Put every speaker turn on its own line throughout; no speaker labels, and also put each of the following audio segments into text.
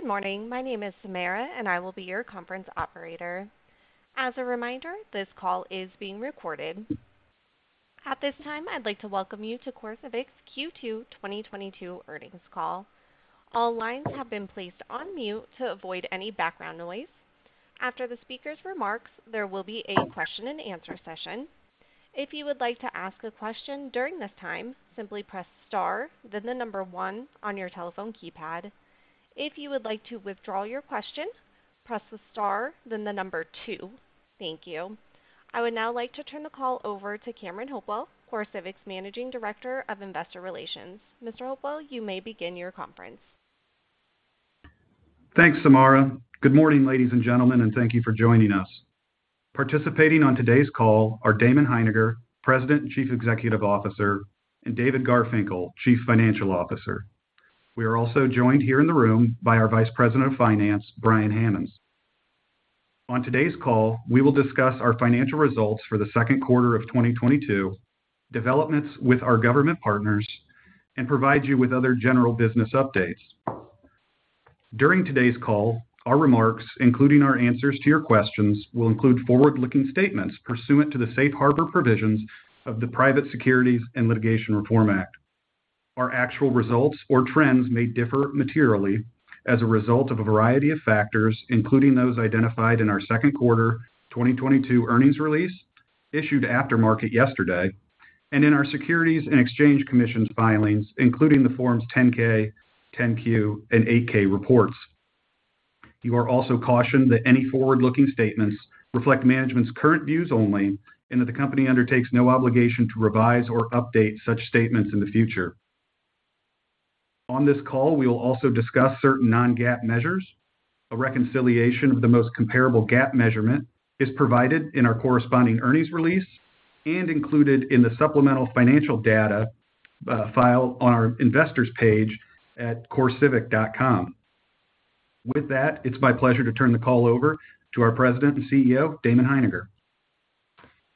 Good morning. My name is Samara, and I will be your conference operator. As a reminder, this call is being recorded. At this time, I'd like to welcome you to CoreCivic's Q2 2022 earnings call. All lines have been placed on mute to avoid any background noise. After the speaker's remarks, there will be a question and answer session. If you would like to ask a question during this time, simply press star then the number one on your telephone keypad. If you would like to withdraw your question, press the star then the number two. Thank you. I would now like to turn the call over to Cameron Hopewell, CoreCivic's Managing Director of Investor Relations. Mr. Hopewell, you may begin your conference.
Thanks, Samara. Good morning, ladies and gentlemen, and thank you for joining us. Participating on today's call are Damon Hininger, President and Chief Executive Officer, and David Garfinkle, Chief Financial Officer. We are also joined here in the room by our Vice President of Finance, Brian Hammonds. On today's call, we will discuss our financial results for the second quarter of 2022, developments with our government partners, and provide you with other general business updates. During today's call, our remarks, including our answers to your questions, will include forward-looking statements pursuant to the safe harbor provisions of the Private Securities Litigation Reform Act. Our actual results or trends may differ materially as a result of a variety of factors, including those identified in our second quarter 2022 earnings release issued after market yesterday and in our Securities and Exchange Commission filings, including the Forms 10-K, 10-Q, and 8-K reports. You are also cautioned that any forward-looking statements reflect management's current views only and that the company undertakes no obligation to revise or update such statements in the future. On this call, we will also discuss certain non-GAAP measures. A reconciliation of the most comparable GAAP measurement is provided in our corresponding earnings release and included in the supplemental financial data file on our investors page at corecivic.com. With that, it's my pleasure to turn the call over to our President and CEO, Damon Hininger.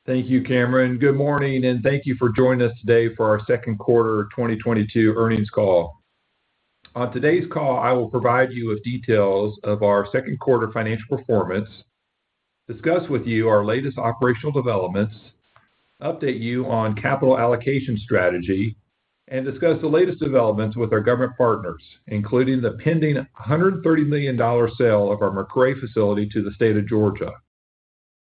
Thank you, Cameron. Good morning, and thank you for joining us today for our second quarter 2022 earnings call. On today's call, I will provide you with details of our second quarter financial performance, discuss with you our latest operational developments, update you on capital allocation strategy, and discuss the latest developments with our government partners, including the pending $130 million sale of our McRae facility to the state of Georgia.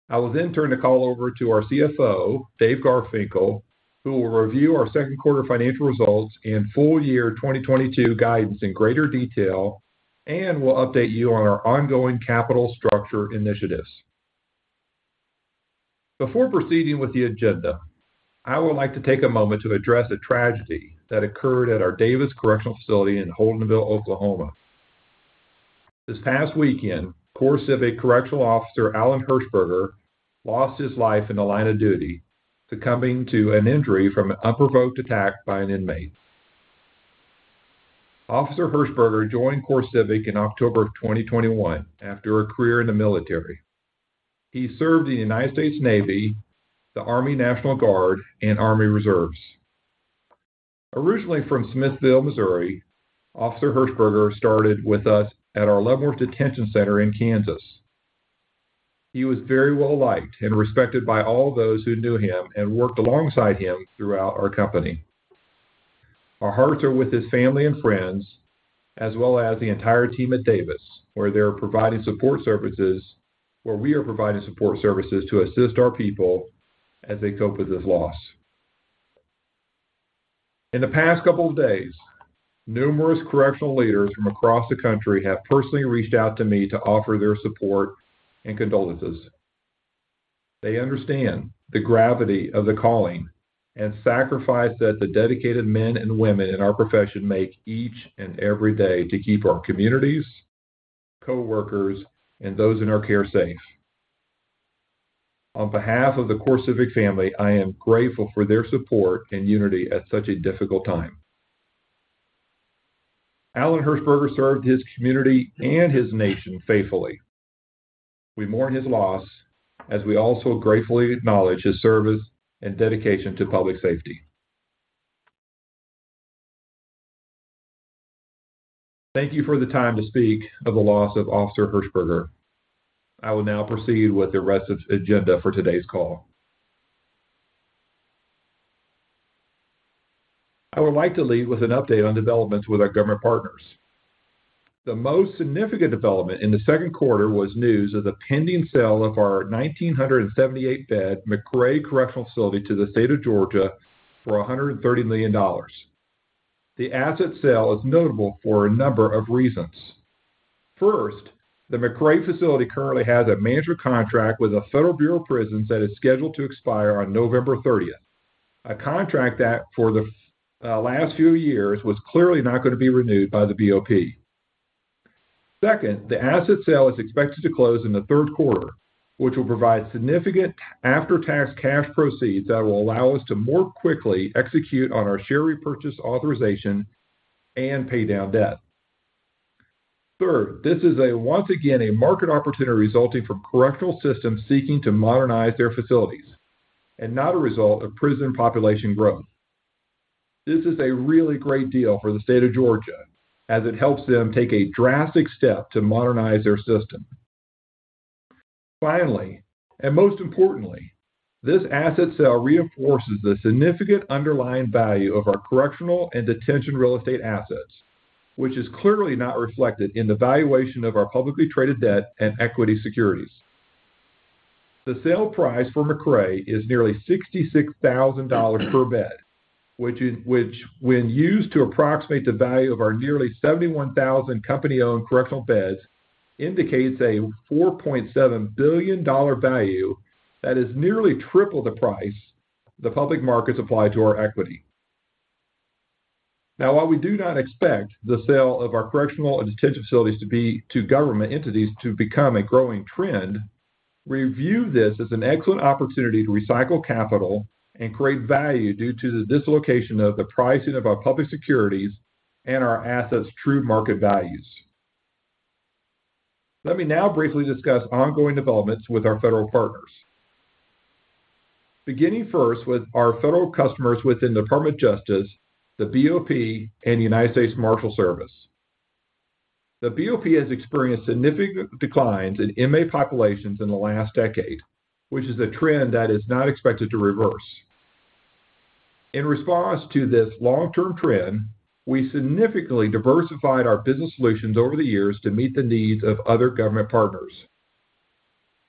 I will then turn the call over to our CFO, Dave Garfinkle, who will review our second quarter financial results and full year 2022 guidance in greater detail and will update you on our ongoing capital structure initiatives. Before proceeding with the agenda, I would like to take a moment to address a tragedy that occurred at our Davis Correctional Facility in Holdenville, Oklahoma. This past weekend, CoreCivic correctional officer Alan Hershberger lost his life in the line of duty, succumbing to an injury from an unprovoked attack by an inmate. Officer Hershberger joined CoreCivic in October of 2021 after a career in the military. He served in the United States Navy, the Army National Guard, and Army Reserves. Originally from Smithville, Missouri, Officer Hershberger started with us at our Leavenworth Detention Center in Kansas. He was very well-liked and respected by all those who knew him and worked alongside him throughout our company. Our hearts are with his family and friends, as well as the entire team at Davis, where we are providing support services to assist our people as they cope with this loss. In the past couple of days, numerous correctional leaders from across the country have personally reached out to me to offer their support and condolences. They understand the gravity of the calling and sacrifice that the dedicated men and women in our profession make each and every day to keep our communities, coworkers, and those in our care safe. On behalf of the CoreCivic family, I am grateful for their support and unity at such a difficult time. Alan Hershberger served his community and his nation faithfully. We mourn his loss as we also gratefully acknowledge his service and dedication to public safety. Thank you for the time to speak of the loss of Officer Hershberger. I will now proceed with the rest of agenda for today's call. I would like to lead with an update on developments with our government partners. The most significant development in the second quarter was news of the pending sale of our 1,978-bed McRae Correctional Facility to the state of Georgia for $130 million. The asset sale is notable for a number of reasons. First, the McRae facility currently has a management contract with the Federal Bureau of Prisons that is scheduled to expire on November thirtieth, a contract that for the last few years was clearly not gonna be renewed by the BOP. Second, the asset sale is expected to close in the third quarter, which will provide significant after-tax cash proceeds that will allow us to more quickly execute on our share repurchase authorization and pay down debt. Third, this is once again a market opportunity resulting from correctional systems seeking to modernize their facilities and not a result of prison population growth. This is a really great deal for the state of Georgia, as it helps them take a drastic step to modernize their system. Finally, and most importantly, this asset sale reinforces the significant underlying value of our correctional and detention real estate assets, which is clearly not reflected in the valuation of our publicly traded debt and equity securities. The sale price for McRae is nearly $66,000 per bed, which when used to approximate the value of our nearly 71,000 company-owned correctional beds, indicates a $4.7 billion value that is nearly triple the price the public markets apply to our equity. Now, while we do not expect the sale of our correctional and detention facilities to be to government entities to become a growing trend, we view this as an excellent opportunity to recycle capital and create value due to the dislocation of the pricing of our public securities and our assets' true market values. Let me now briefly discuss ongoing developments with our federal partners. Beginning first with our federal customers within the Department of Justice, the BOP, and the United States Marshals Service. The BOP has experienced significant declines in inmate populations in the last decade, which is a trend that is not expected to reverse. In response to this long-term trend, we significantly diversified our business solutions over the years to meet the needs of other government partners.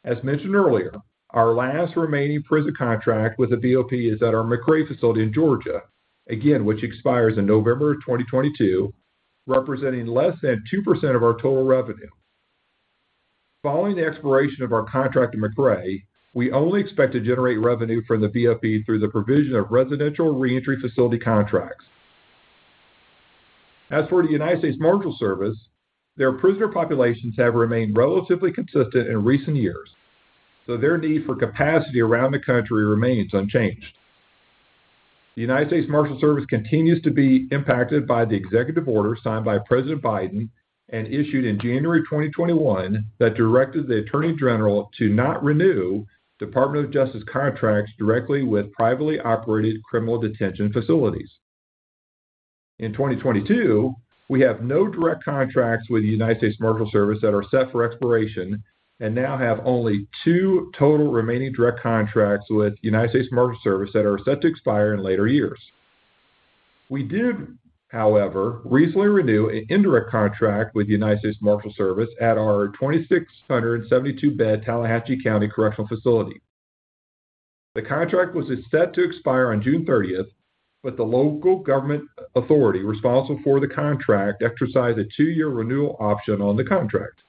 As mentioned earlier, our last remaining prison contract with the BOP is at our McRae facility in Georgia, again, which expires in November 2022, representing less than 2% of our total revenue. Following the expiration of our contract at McRae, we only expect to generate revenue from the BOP through the provision of residential reentry facility contracts. As for the United States Marshals Service, their prisoner populations have remained relatively consistent in recent years, so their need for capacity around the country remains unchanged. The United States Marshals Service continues to be impacted by the executive order signed by President Biden and issued in January 2021 that directed the Attorney General to not renew Department of Justice contracts directly with privately operated criminal detention facilities. In 2022, we have no direct contracts with the United States Marshals Service that are set for expiration and now have only two total remaining direct contracts with United States Marshals Service that are set to expire in later years. We did, however, recently renew an indirect contract with the United States Marshals Service at our 2,672-bed Tallahatchie County Correctional Facility. The contract was set to expire on June 30th, but the local government authority responsible for the contract exercised a two-year renewal option on the contract.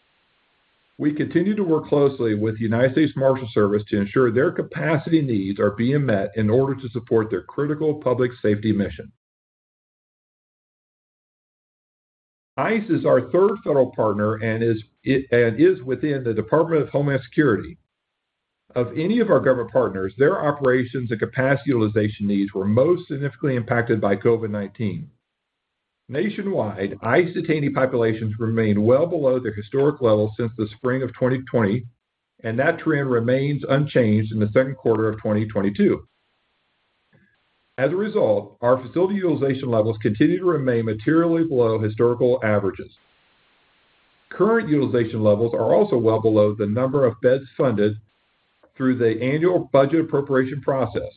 We continue to work closely with the United States Marshals Service to ensure their capacity needs are being met in order to support their critical public safety mission. ICE is our third federal partner and is within the Department of Homeland Security. Of any of our government partners, their operations and capacity utilization needs were most significantly impacted by COVID-19. Nationwide, ICE detainee populations remain well below their historic levels since the spring of 2020, and that trend remains unchanged in the second quarter of 2022. As a result, our facility utilization levels continue to remain materially below historical averages. Current utilization levels are also well below the number of beds funded through the annual budget appropriation process.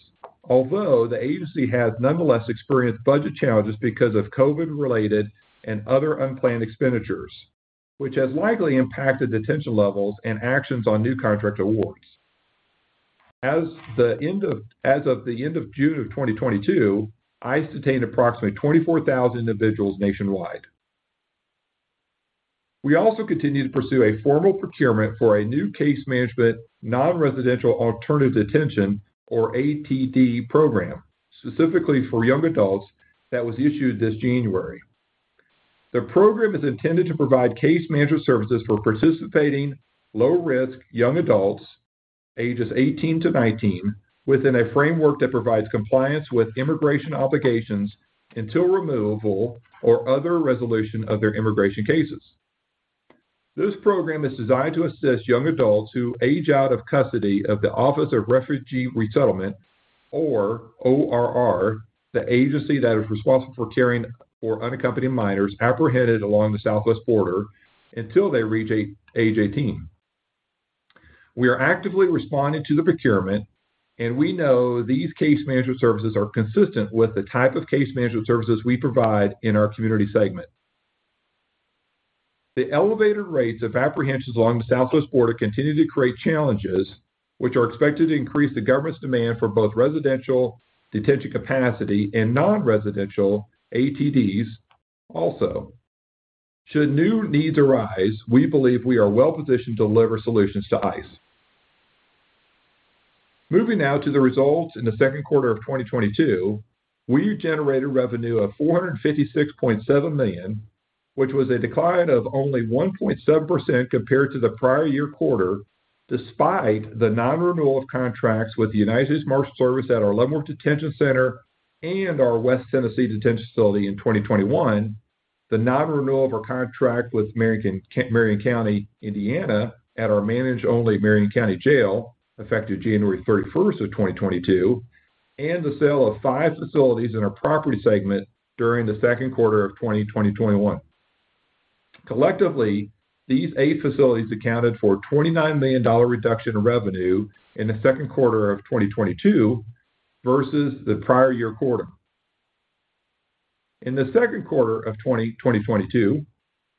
Although the agency has nonetheless experienced budget challenges because of COVID-related and other unplanned expenditures, which has likely impacted detention levels and actions on new contract awards. As of the end of June of 2022, ICE detained approximately 24,000 individuals nationwide. We also continue to pursue a formal procurement for a new case management, non-residential alternative detention, or ATD program, specifically for young adults that was issued this January. The program is intended to provide case management services for participating low-risk young adults, ages 18 to 19, within a framework that provides compliance with immigration obligations until removal or other resolution of their immigration cases. This program is designed to assist young adults who age out of custody of the Office of Refugee Resettlement or ORR, the agency that is responsible for caring for unaccompanied minors apprehended along the southwest border until they reach age 18. We are actively responding to the procurement, and we know these case management services are consistent with the type of case management services we provide in our community segment. The elevated rates of apprehensions along the southwest border continue to create challenges which are expected to increase the government's demand for both residential detention capacity and non-residential ATDs also. Should new needs arise, we believe we are well-positioned to deliver solutions to ICE. Moving now to the results in the second quarter of 2022, we generated revenue of $456.7 million, which was a decline of only 1.7% compared to the prior year quarter, despite the non-renewal of contracts with the United States Marshals Service at our Leavenworth Detention Center and our West Tennessee Detention Facility in 2021. The non-renewal of our contract with Marion County, Indiana at our managed-only Marion County Jail, effective January 31st, 2022, and the sale of five facilities in our property segment during the second quarter of 2021. Collectively, these eight facilities accounted for $29 million reduction in revenue in the second quarter of 2022 versus the prior year quarter. In the second quarter of 2022,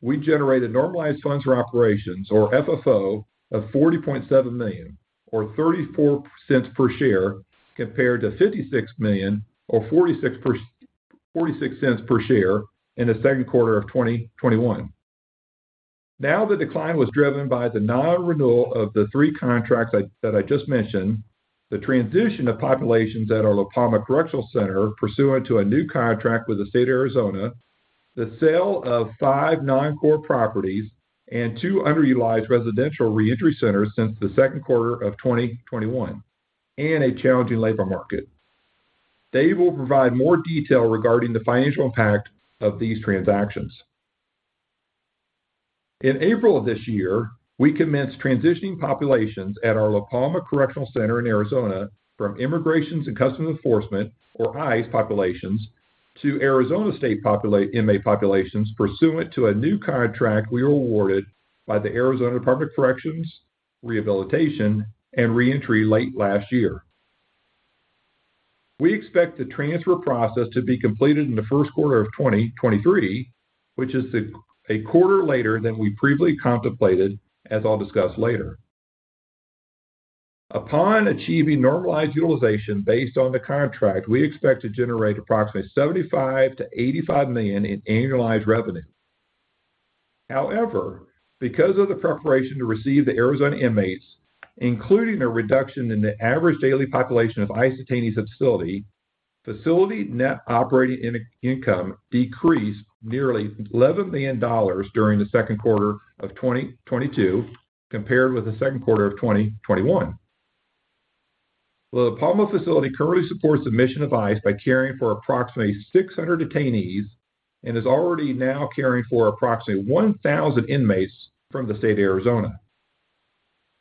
we generated normalized funds for operations or FFO of $40.7 million or $0.34 per share, compared to $56 million or $0.46 per share in the second quarter of 2021. Now the decline was driven by the non-renewal of the three contracts that I just mentioned, the transition of populations at our La Palma Correctional Center pursuant to a new contract with the state of Arizona, the sale of five non-core properties, and two underutilized residential reentry centers since the second quarter of 2021, and a challenging labor market. Dave will provide more detail regarding the financial impact of these transactions. In April of this year, we commenced transitioning populations at our La Palma Correctional Center in Arizona from Immigration and Customs Enforcement, or ICE populations, to Arizona State inmate populations pursuant to a new contract we were awarded by the Arizona Department of Corrections, Rehabilitation and Reentry late last year. We expect the transfer process to be completed in the first quarter of 2023, which is a quarter later than we previously contemplated, as I'll discuss later. Upon achieving normalized utilization based on the contract, we expect to generate approximately $75 million-$85 million in annualized revenue. However, because of the preparation to receive the Arizona inmates, including a reduction in the average daily population of ICE detainees at the facility net operating income decreased nearly $11 million during the second quarter of 2022 compared with the second quarter of 2021. The La Palma facility currently supports the mission of ICE by caring for approximately 600 detainees and is already now caring for approximately 1,000 inmates from the state of Arizona.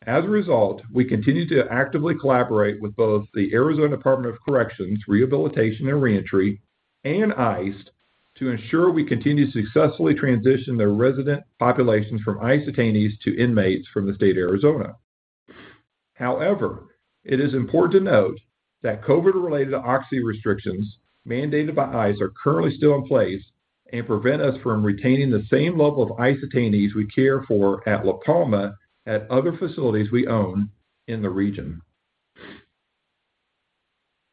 As a result, we continue to actively collaborate with both the Arizona Department of Corrections, Rehabilitation and Reentry and ICE to ensure we continue to successfully transition their resident populations from ICE detainees to inmates from the state of Arizona. However, it is important to note that COVID-related occupancy restrictions mandated by ICE are currently still in place and prevent us from retaining the same level of ICE detainees we care for at La Palma at other facilities we own in the region.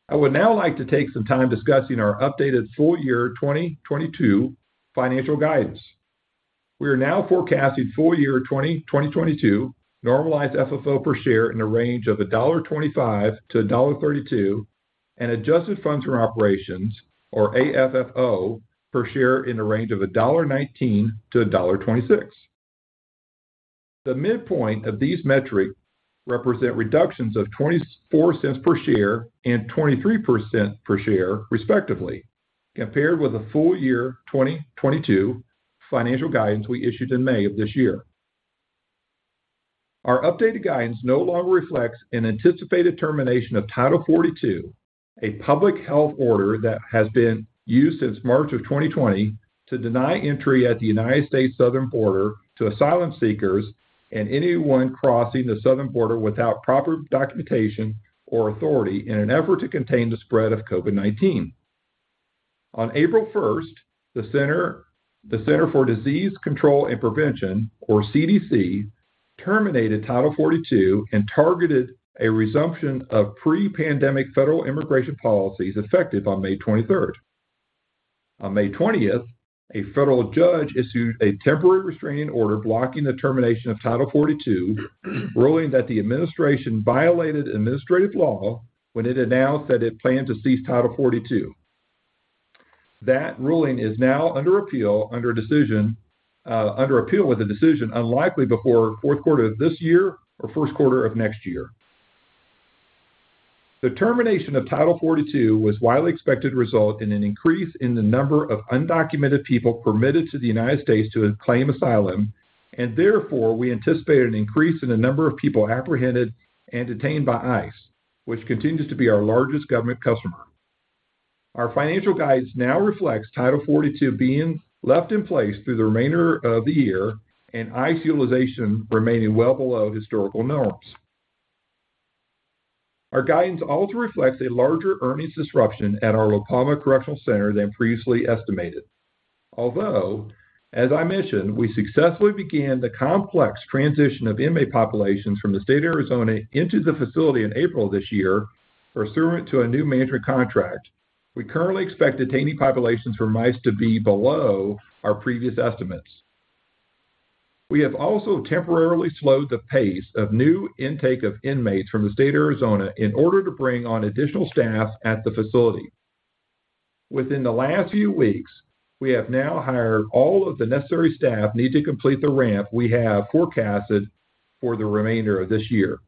I would now like to take some time discussing our updated full year 2022 financial guidance. We are now forecasting full year 2022 normalized FFO per share in a range of $1.25-$1.32 and adjusted funds from operations or AFFO per share in the range of $1.19-$1.26. The midpoint of these metrics represent reductions of $0.24 per share and $0.23 per share respectively, compared with the full year 2022 financial guidance we issued in May of this year. Our updated guidance no longer reflects an anticipated termination of Title 42, a public health order that has been used since March of 2020 to deny entry at the United States southern border to asylum seekers and anyone crossing the southern border without proper documentation or authority in an effort to contain the spread of COVID-19. On April 1st, the Centers for Disease Control and Prevention, or CDC, terminated Title 42 and targeted a resumption of pre-pandemic federal immigration policies effective on May 23rd. On May 20th, a federal judge issued a temporary restraining order blocking the termination of Title 42, ruling that the administration violated administrative law when it announced that it planned to cease Title 42. That ruling is now under appeal, with a decision unlikely before fourth quarter of this year or first quarter of next year. The termination of Title 42 was widely expected to result in an increase in the number of undocumented people permitted to the United States to claim asylum, and therefore, we anticipate an increase in the number of people apprehended and detained by ICE, which continues to be our largest government customer. Our financial guidance now reflects Title 42 being left in place through the remainder of the year and ICE utilization remaining well below historical norms. Our guidance also reflects a larger earnings disruption at our La Palma Correctional Center than previously estimated. Although, as I mentioned, we successfully began the complex transition of inmate populations from the state of Arizona into the facility in April this year pursuant to a new management contract. We currently expect detainee populations from ICE to be below our previous estimates. We have also temporarily slowed the pace of new intake of inmates from the state of Arizona in order to bring on additional staff at the facility. Within the last few weeks, we have now hired all of the necessary staff needed to complete the ramp we have forecasted for the remainder of this year.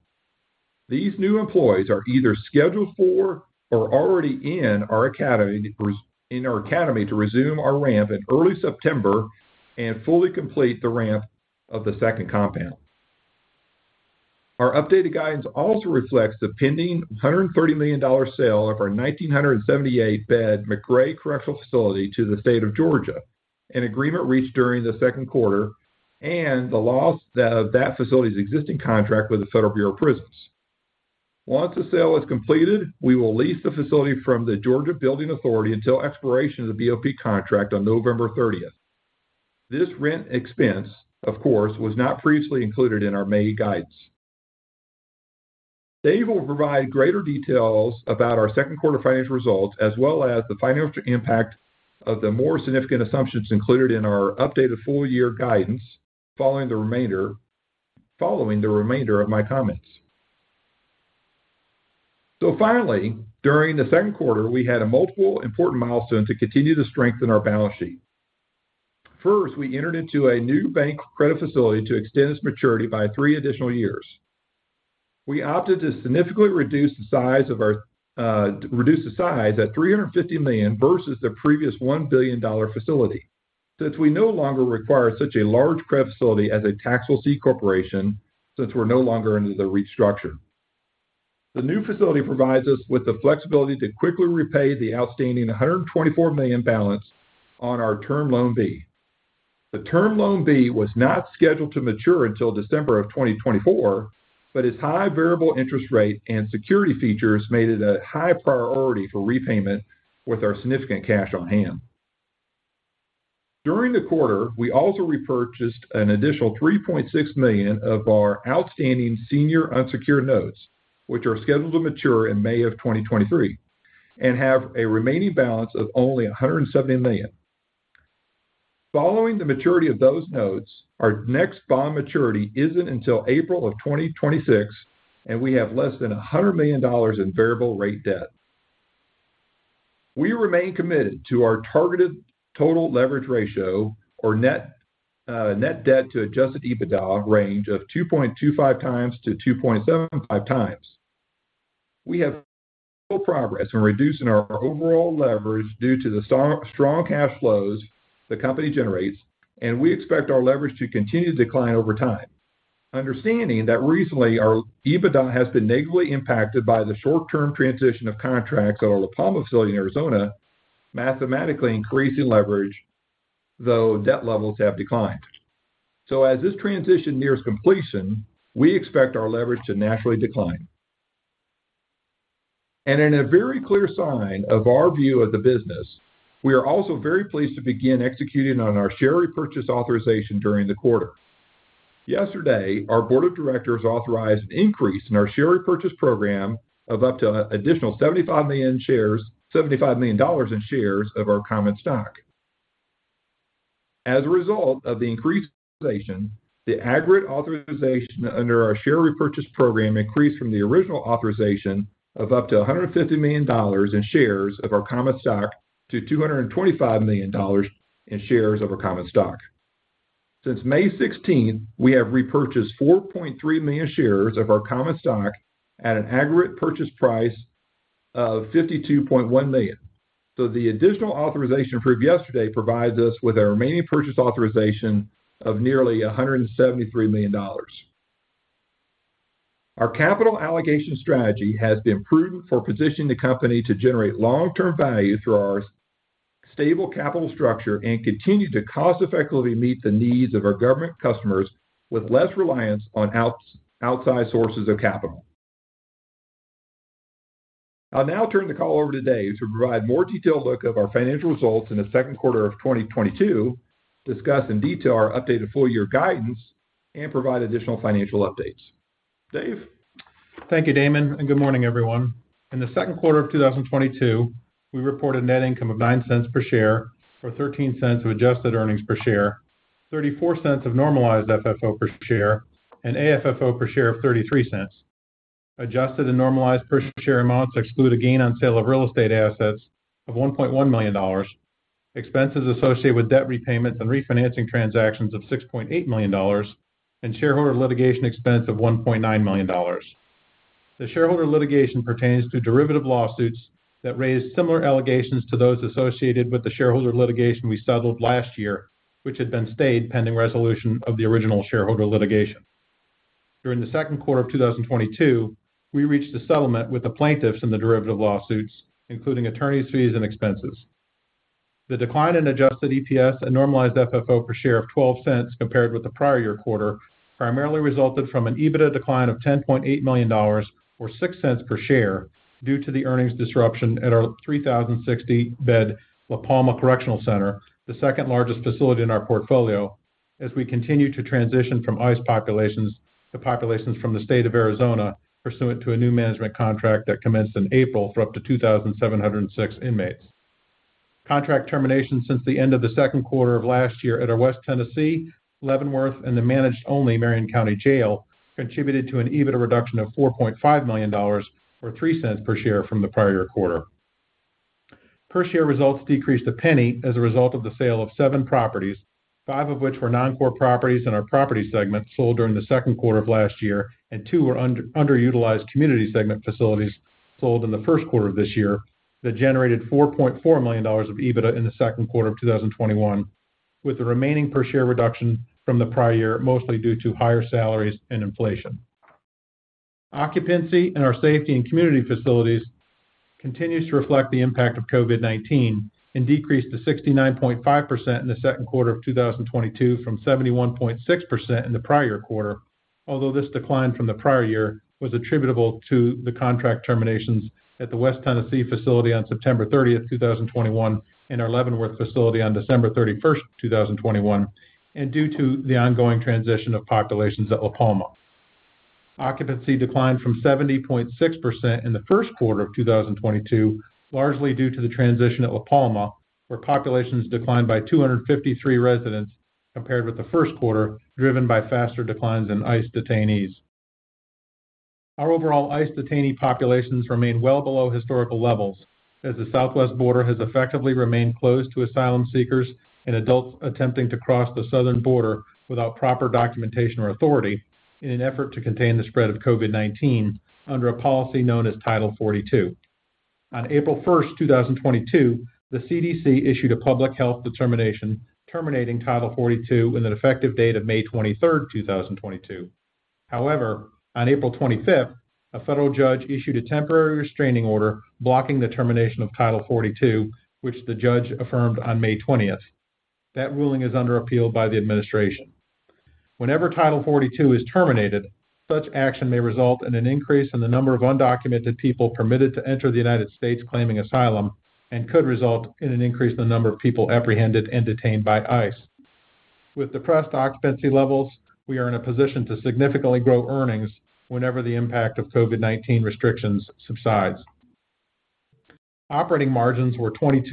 These new employees are either scheduled for or already in our academy to resume our ramp in early September and fully complete the ramp of the second compound. Our updated guidance also reflects the pending $130 million sale of our 1,978-bed McRae Correctional Facility to the state of Georgia, an agreement reached during the second quarter, and the loss of that facility's existing contract with the Federal Bureau of Prisons. Once the sale is completed, we will lease the facility from the Georgia Building Authority until expiration of the BOP contract on November 30th. This rent expense, of course, was not previously included in our May guidance. Dave will provide greater details about our second quarter financial results, as well as the financial impact of the more significant assumptions included in our updated full-year guidance following the remainder of my comments. Finally, during the second quarter, we had multiple important milestones to continue to strengthen our balance sheet. First, we entered into a new bank credit facility to extend its maturity by three additional years. We opted to significantly reduce the size to $350 million versus the previous $1 billion facility. Since we no longer require such a large credit facility as a taxable C corporation, since we're no longer under the restructure. The new facility provides us with the flexibility to quickly repay the outstanding $124 million balance on our Term Loan B. The Term Loan B was not scheduled to mature until December of 2024, but its high variable interest rate and security features made it a high priority for repayment with our significant cash on hand. During the quarter, we also repurchased an additional $3.6 million of our outstanding senior unsecured notes, which are scheduled to mature in May of 2023 and have a remaining balance of only $170 million. Following the maturity of those notes, our next bond maturity isn't until April of 2026, and we have less than $100 million in variable rate debt. We remain committed to our targeted total leverage ratio or net debt to adjusted EBITDA range of 2.25x-2.75x. We have made full progress in reducing our overall leverage due to the such strong cash flows the company generates, and we expect our leverage to continue to decline over time. Understanding that recently, our EBITDA has been negatively impacted by the short-term transition of contracts at our La Palma facility in Arizona, mathematically increasing leverage, though debt levels have declined. As this transition nears completion, we expect our leverage to naturally decline. In a very clear sign of our view of the business, we are also very pleased to begin executing on our share repurchase authorization during the quarter. Yesterday, our board of directors authorized an increase in our share repurchase program of up to additional $75 million shares, $75 million in shares of our common stock. As a result of the increased authorization, the aggregate authorization under our share repurchase program increased from the original authorization of up to $150 million in shares of our common stock to $225 million in shares of our common stock. Since May 16th, we have repurchased 4.3 million shares of our common stock at an aggregate purchase price of $52.1 million. The additional authorization approved yesterday provides us with a remaining purchase authorization of nearly $173 million. Our capital allocation strategy has been prudent for positioning the company to generate long-term value through our stable capital structure and continue to cost-effectively meet the needs of our government customers with less reliance on outside sources of capital. I'll now turn the call over to Dave to provide more detailed look of our financial results in the second quarter of 2022, discuss in detail our updated full-year guidance, and provide additional financial updates. Dave?
Thank you, Damon, and good morning, everyone. In the second quarter of 2022, we reported net income of $0.09 per share for $0.13 of adjusted earnings per share, $0.34 of normalized FFO per share, and AFFO per share of $0.33. Adjusted and normalized per share amounts exclude a gain on sale of real estate assets of $1.1 million, expenses associated with debt repayments and refinancing transactions of $6.8 million, and shareholder litigation expense of $1.9 million. The shareholder litigation pertains to derivative lawsuits that raised similar allegations to those associated with the shareholder litigation we settled last year, which had been stayed pending resolution of the original shareholder litigation. During the second quarter of 2022, we reached a settlement with the plaintiffs in the derivative lawsuits, including attorneys' fees and expenses. The decline in adjusted EPS and normalized FFO per share of $0.12 compared with the prior year quarter primarily resulted from an EBITDA decline of $10.8 million or $0.06 per share due to the earnings disruption at our 3,060-bed La Palma Correctional Center, the second largest facility in our portfolio, as we continue to transition from ICE populations to populations from the state of Arizona, pursuant to a new management contract that commenced in April for up to 2,706 inmates. Contract terminations since the end of the second quarter of last year at our West Tennessee, Leavenworth, and the managed-only Marion County Jail contributed to an EBITDA reduction of $4.5 million, or $0.03 per share from the prior year quarter. Per share results decreased $0.01 as a result of the sale of seven properties, five of which were non-core properties in our property segment sold during the second quarter of last year, and two were underutilized community segment facilities sold in the first quarter of this year that generated $4.4 million of EBITDA in the second quarter of 2021, with the remaining per share reduction from the prior year mostly due to higher salaries and inflation. Occupancy in our safety and community facilities continues to reflect the impact of COVID-19 and decreased to 69.5% in the second quarter of 2022 from 71.6% in the prior quarter, although this decline from the prior year was attributable to the contract terminations at the West Tennessee facility on September 30th, 2021 and our Leavenworth facility on December 31st, 2021, and due to the ongoing transition of populations at La Palma. Occupancy declined from 70.6% in the first quarter of 2022, largely due to the transition at La Palma, where populations declined by 253 residents compared with the first quarter, driven by faster declines in ICE detainees. Our overall ICE detainee populations remain well below historical levels as the southwest border has effectively remained closed to asylum seekers and adults attempting to cross the southern border without proper documentation or authority in an effort to contain the spread of COVID-19 under a policy known as Title 42. On April 1st, 2022, the CDC issued a public health determination terminating Title 42 with an effective date of May 23rd, 2022. However, on April 25th, a federal judge issued a temporary restraining order blocking the termination of Title 42, which the judge affirmed on May 20th. That ruling is under appeal by the administration. Whenever Title 42 is terminated, such action may result in an increase in the number of undocumented people permitted to enter the United States claiming asylum and could result in an increase in the number of people apprehended and detained by ICE. With depressed occupancy levels, we are in a position to significantly grow earnings whenever the impact of COVID-19 restrictions subsides. Operating margins were 22.2%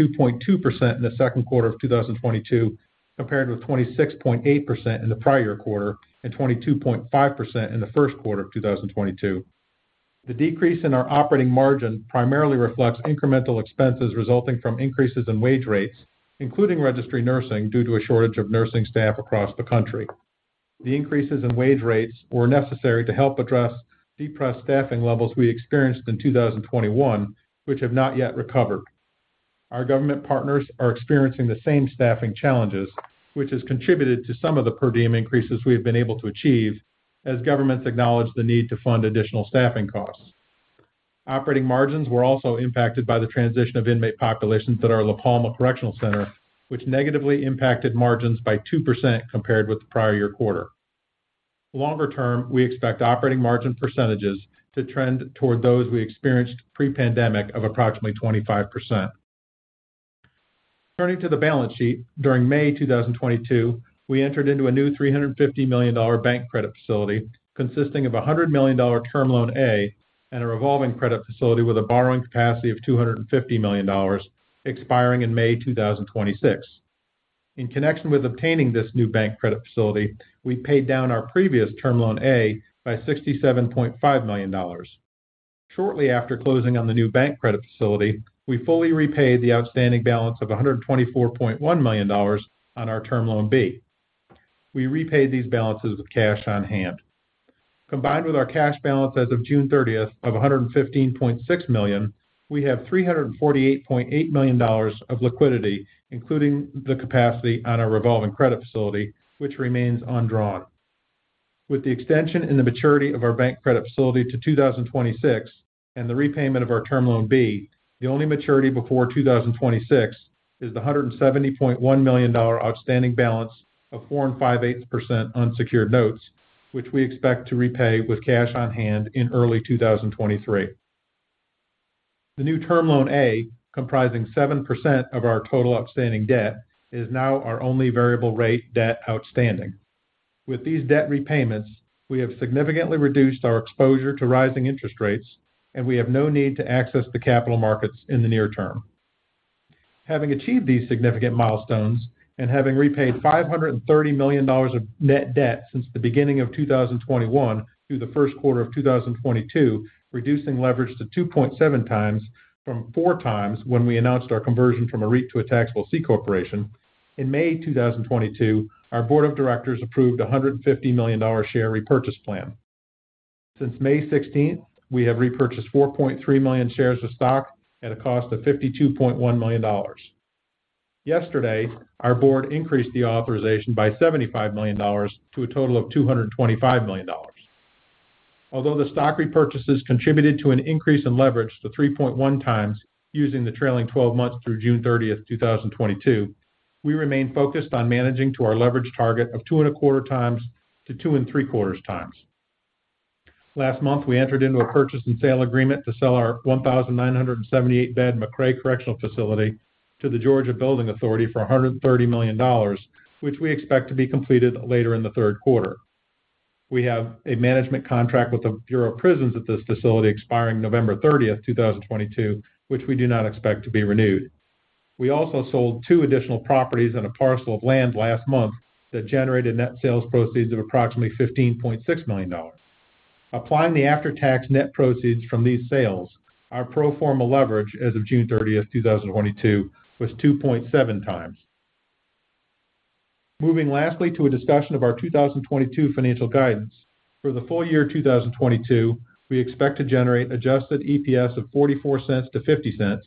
in the second quarter of 2022, compared with 26.8% in the prior quarter and 22.5% in the first quarter of 2022. The decrease in our operating margin primarily reflects incremental expenses resulting from increases in wage rates, including registry nursing, due to a shortage of nursing staff across the country. The increases in wage rates were necessary to help address depressed staffing levels we experienced in 2021, which have not yet recovered. Our government partners are experiencing the same staffing challenges, which has contributed to some of the per diem increases we have been able to achieve as governments acknowledge the need to fund additional staffing costs. Operating margins were also impacted by the transition of inmate populations at our La Palma Correctional Center, which negatively impacted margins by 2% compared with the prior year quarter. Longer term, we expect operating margin percentages to trend toward those we experienced pre-pandemic of approximately 25%. Turning to the balance sheet, during May 2022, we entered into a new $350 million bank credit facility consisting of a $100 million Term Loan A and a revolving credit facility with a borrowing capacity of $250 million expiring in May 2026. In connection with obtaining this new bank credit facility, we paid down our previous Term Loan A by $67.5 million. Shortly after closing on the new bank credit facility, we fully repaid the outstanding balance of $124.1 million on our Term Loan B. We repaid these balances with cash on hand. Combined with our cash balance as of June 30th of $115.6 million, we have $348.8 million of liquidity, including the capacity on our revolving credit facility, which remains undrawn. With the extension in the maturity of our bank credit facility to 2026 and the repayment of our Term Loan B, the only maturity before 2026 is the $170.1 million outstanding balance of 4 5/8% unsecured notes, which we expect to repay with cash on hand in early 2023. The new Term Loan A, comprising 7% of our total outstanding debt, is now our only variable rate debt outstanding. With these debt repayments, we have significantly reduced our exposure to rising interest rates, and we have no need to access the capital markets in the near term. Having achieved these significant milestones and having repaid $530 million of net debt since the beginning of 2021 through the first quarter of 2022, reducing leverage to 2.7x from 4x when we announced our conversion from a REIT to a taxable C corporation. In May 2022, our board of directors approved a $150 million share repurchase plan. Since May 16th, we have repurchased 4.3 million shares of stock at a cost of $52.1 million. Yesterday, our board increased the authorization by $75 million to a total of $225 million. Although the stock repurchases contributed to an increase in leverage to 3.1x using the trailing 12 months through June 30th, 2022, we remain focused on managing to our leverage target of 2.25x to 2.75x. Last month, we entered into a purchase and sale agreement to sell our 1,978-bed McRae Correctional Facility to the Georgia Building Authority for $130 million, which we expect to be completed later in the third quarter. We have a management contract with the Bureau of Prisons at this facility expiring November 30th, 2022, which we do not expect to be renewed. We also sold two additional properties and a parcel of land last month that generated net sales proceeds of approximately $15.6 million. Applying the after-tax net proceeds from these sales, our pro forma leverage as of June 30th, 2022 was 2.7x. Moving lastly to a discussion of our 2022 financial guidance. For the full year 2022, we expect to generate adjusted EPS of $0.44-$0.50,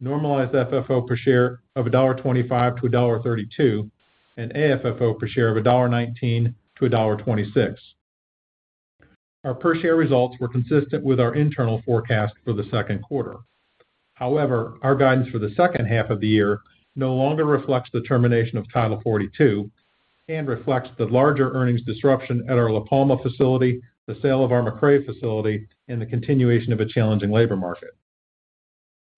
normalized FFO per share of $1.25-$1.32, and AFFO per share of $1.19-$1.26. Our per share results were consistent with our internal forecast for the second quarter. However, our guidance for the second half of the year no longer reflects the termination of Title 42 and reflects the larger earnings disruption at our La Palma facility, the sale of our McRae facility, and the continuation of a challenging labor market.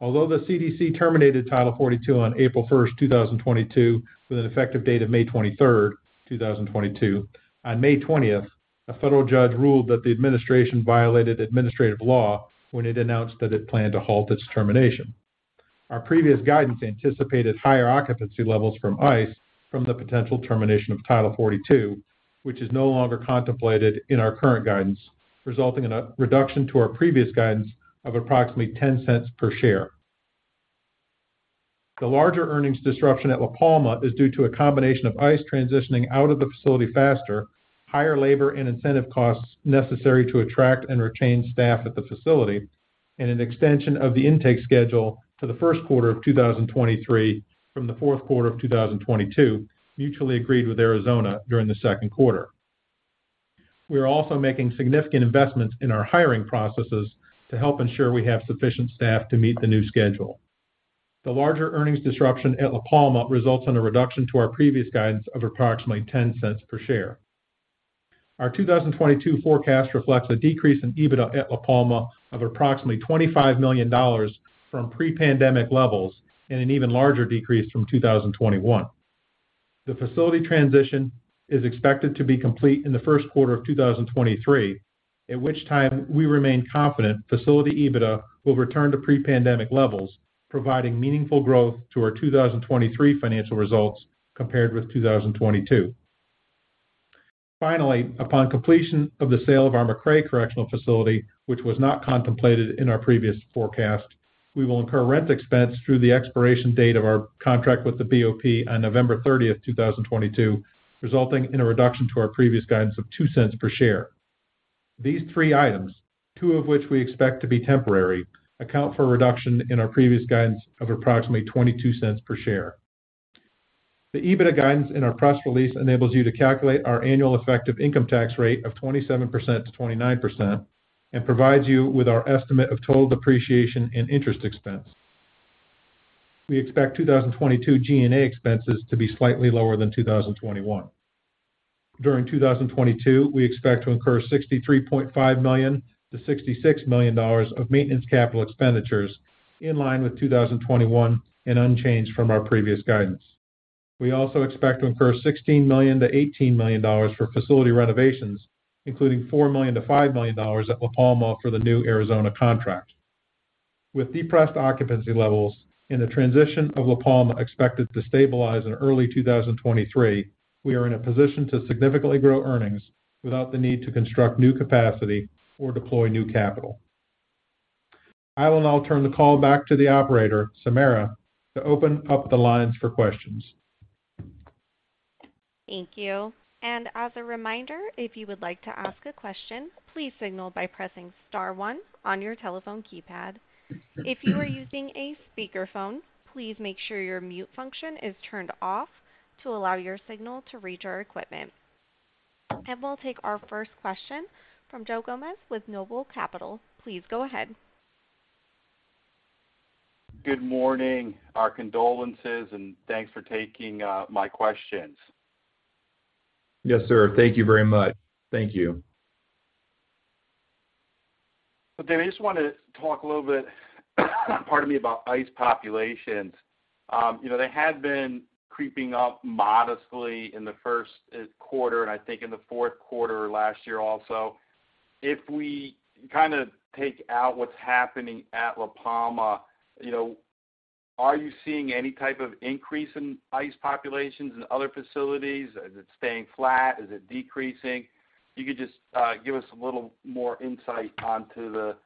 Although the CDC terminated Title 42 on April 1st, 2022, with an effective date of May 23rd, 2022, on May 20th, a federal judge ruled that the administration violated administrative law when it announced that it planned to halt its termination. Our previous guidance anticipated higher occupancy levels from ICE from the potential termination of Title 42, which is no longer contemplated in our current guidance, resulting in a reduction to our previous guidance of approximately $0.10 per share. The larger earnings disruption at La Palma is due to a combination of ICE transitioning out of the facility faster, higher labor and incentive costs necessary to attract and retain staff at the facility, and an extension of the intake schedule to the first quarter of 2023 from the fourth quarter of 2022, mutually agreed with Arizona during the second quarter. We are also making significant investments in our hiring processes to help ensure we have sufficient staff to meet the new schedule. The larger earnings disruption at La Palma results in a reduction to our previous guidance of approximately $0.10 per share. Our 2022 forecast reflects a decrease in EBITDA at La Palma of approximately $25 million from pre-pandemic levels and an even larger decrease from 2021. The facility transition is expected to be complete in the first quarter of 2023, at which time we remain confident facility EBITDA will return to pre-pandemic levels, providing meaningful growth to our 2023 financial results compared with 2022. Finally, upon completion of the sale of our McRae Correctional Facility, which was not contemplated in our previous forecast, we will incur rent expense through the expiration date of our contract with the BOP on November 30th, 2022, resulting in a reduction to our previous guidance of $0.02 per share. These three items, two of which we expect to be temporary, account for a reduction in our previous guidance of approximately $0.22 per share. The EBITDA guidance in our press release enables you to calculate our annual effective income tax rate of 27%-29% and provides you with our estimate of total depreciation and interest expense. We expect 2022 G&A expenses to be slightly lower than 2021. During 2022, we expect to incur $63.5 million-$66 million of maintenance capital expenditures in line with 2021 and unchanged from our previous guidance. We also expect to incur $16 million-$18 million for facility renovations, including $4 million-$5 million at La Palma for the new Arizona contract. With depressed occupancy levels and the transition of La Palma expected to stabilize in early 2023, we are in a position to significantly grow earnings without the need to construct new capacity or deploy new capital. I will now turn the call back to the operator, Samara, to open up the lines for questions.
Thank you. As a reminder, if you would like to ask a question, please signal by pressing star one on your telephone keypad. If you are using a speakerphone, please make sure your mute function is turned off to allow your signal to reach our equipment. We'll take our first question from Joe Gomes with Noble Capital Markets. Please go ahead.
Good morning. Our condolences and thanks for taking my questions.
Yes, sir. Thank you very much. Thank you.
Damon, I just wanna talk a little bit, pardon me, about ICE populations. You know, they had been creeping up modestly in the first quarter and I think in the fourth quarter last year also. If we kinda take out what's happening at La Palma, you know, are you seeing any type of increase in ICE populations in other facilities? Is it staying flat? Is it decreasing? If you could just give us a little more insight into the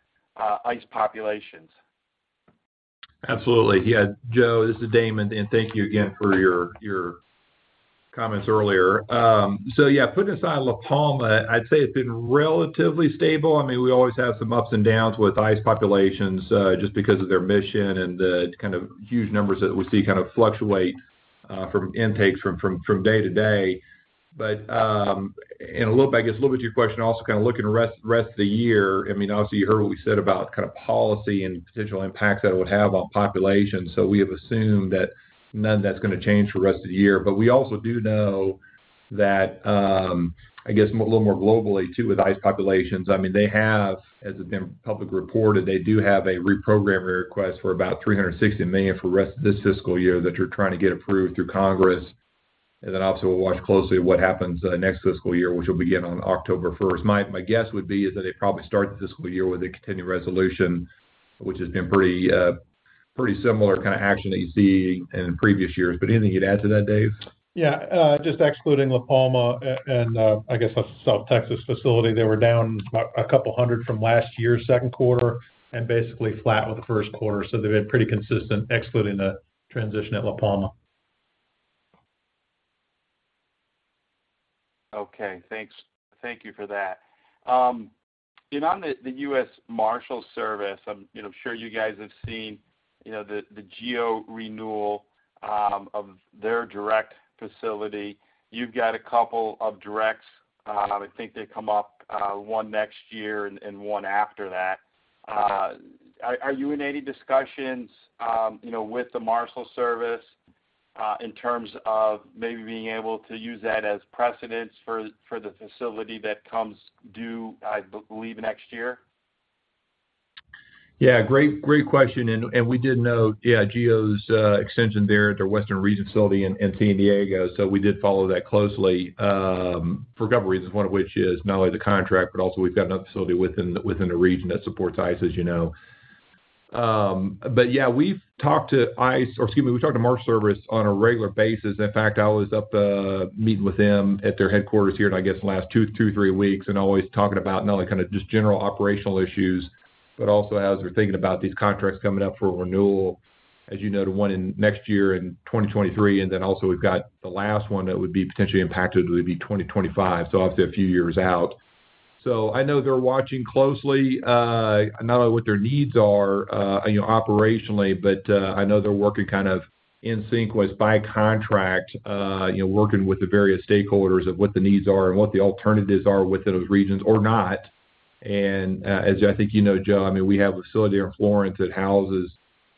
ICE populations.
Absolutely. Yeah. Joe, this is Damon, and thank you again for your comments earlier. Yeah, putting aside La Palma, I'd say it's been relatively stable. I mean, we always have some ups and downs with ICE populations, just because of their mission and the kind of huge numbers that we see kind of fluctuate from intakes from day-to-day. A little bit to your question also kind of looking at the rest of the year, I mean, obviously, you heard what we said about kind of policy and potential impacts that it would have on populations. We have assumed that none of that's gonna change for the rest of the year. We also do know that, I guess, a little more globally too with ICE populations, I mean, they have, as it's been publicly reported, they do have a reprogramming request for about $360 million for the rest of this fiscal year that they're trying to get approved through Congress. Obviously, we'll watch closely at what happens, next fiscal year, which will begin on October 1st. My guess would be is that they probably start the fiscal year with a continuing resolution, which has been pretty similar kind of action that you see in previous years. Anything you'd add to that, Dave?
Just excluding La Palma and, I guess, a South Texas facility, they were down a couple hundred from last year's second quarter and basically flat with the first quarter. They've been pretty consistent excluding the transition at La Palma.
Okay. Thank you for that. On the U.S. Marshals Service, you know, I'm sure you guys have seen, you know, the GEO renewal of their direct facility. You've got a couple of directs, I think they come up, one next year and one after that. Are you in any discussions, you know, with the Marshals Service, in terms of maybe being able to use that as precedent for the facility that comes due, I believe, next year?
Yeah. Great question. We did know, yeah, GEO's extension there at their Western Region Facility in San Diego. We did follow that closely for a couple reasons, one of which is not only the contract, but also we've got another facility within the region that supports ICE, as you know. We've talked to ICE, or excuse me, we've talked to Marshals Service on a regular basis. In fact, I was up to meet with them at their headquarters here, I guess in the last two, three weeks, and always talking about not only kind of just general operational issues, but also as we're thinking about these contracts coming up for renewal. As you know, the one in next year in 2023, and then also we've got the last one that would be potentially impacted would be 2025, so obviously a few years out. I know they're watching closely, not only what their needs are, you know, operationally, but, I know they're working kind of in sync with by contract, you know, working with the various stakeholders of what the needs are and what the alternatives are within those regions or not. As I think you know, Joe, I mean, we have a facility there in Florence that houses,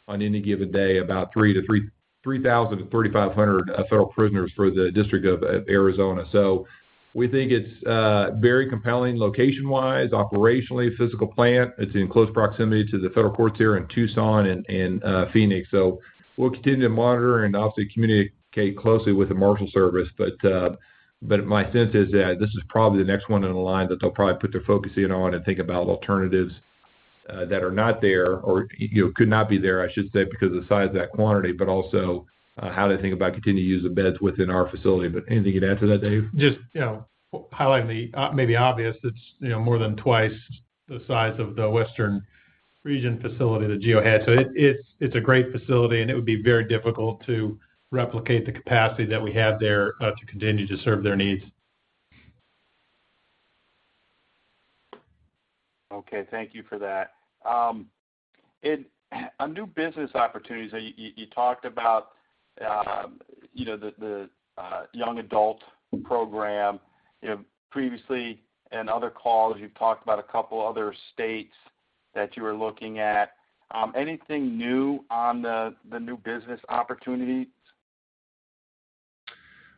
on any given day, about 3,000 to 3,500 federal prisoners for the District of Arizona. We think it's very compelling location-wise, operationally, physical plant. It's in close proximity to the federal courts here in Tucson and Phoenix. We'll continue to monitor and obviously communicate closely with the Marshals Service. My sense is that this is probably the next one in the line that they'll probably put their focus in on and think about alternatives that are not there or, you know, could not be there, I should say, because of the size of that quantity, but also how they think about continuing to use the beds within our facility. Anything you'd add to that, Dave?
Just, you know, highlighting the maybe obvious, it's, you know, more than twice the size of the Western Region Facility that GEO has. It's a great facility, and it would be very difficult to replicate the capacity that we have there to continue to serve their needs.
Okay. Thank you for that. In new business opportunities that you talked about, you know, the young adult program, you know, previously in other calls, you've talked about a couple other states that you were looking at. Anything new on the new business opportunities?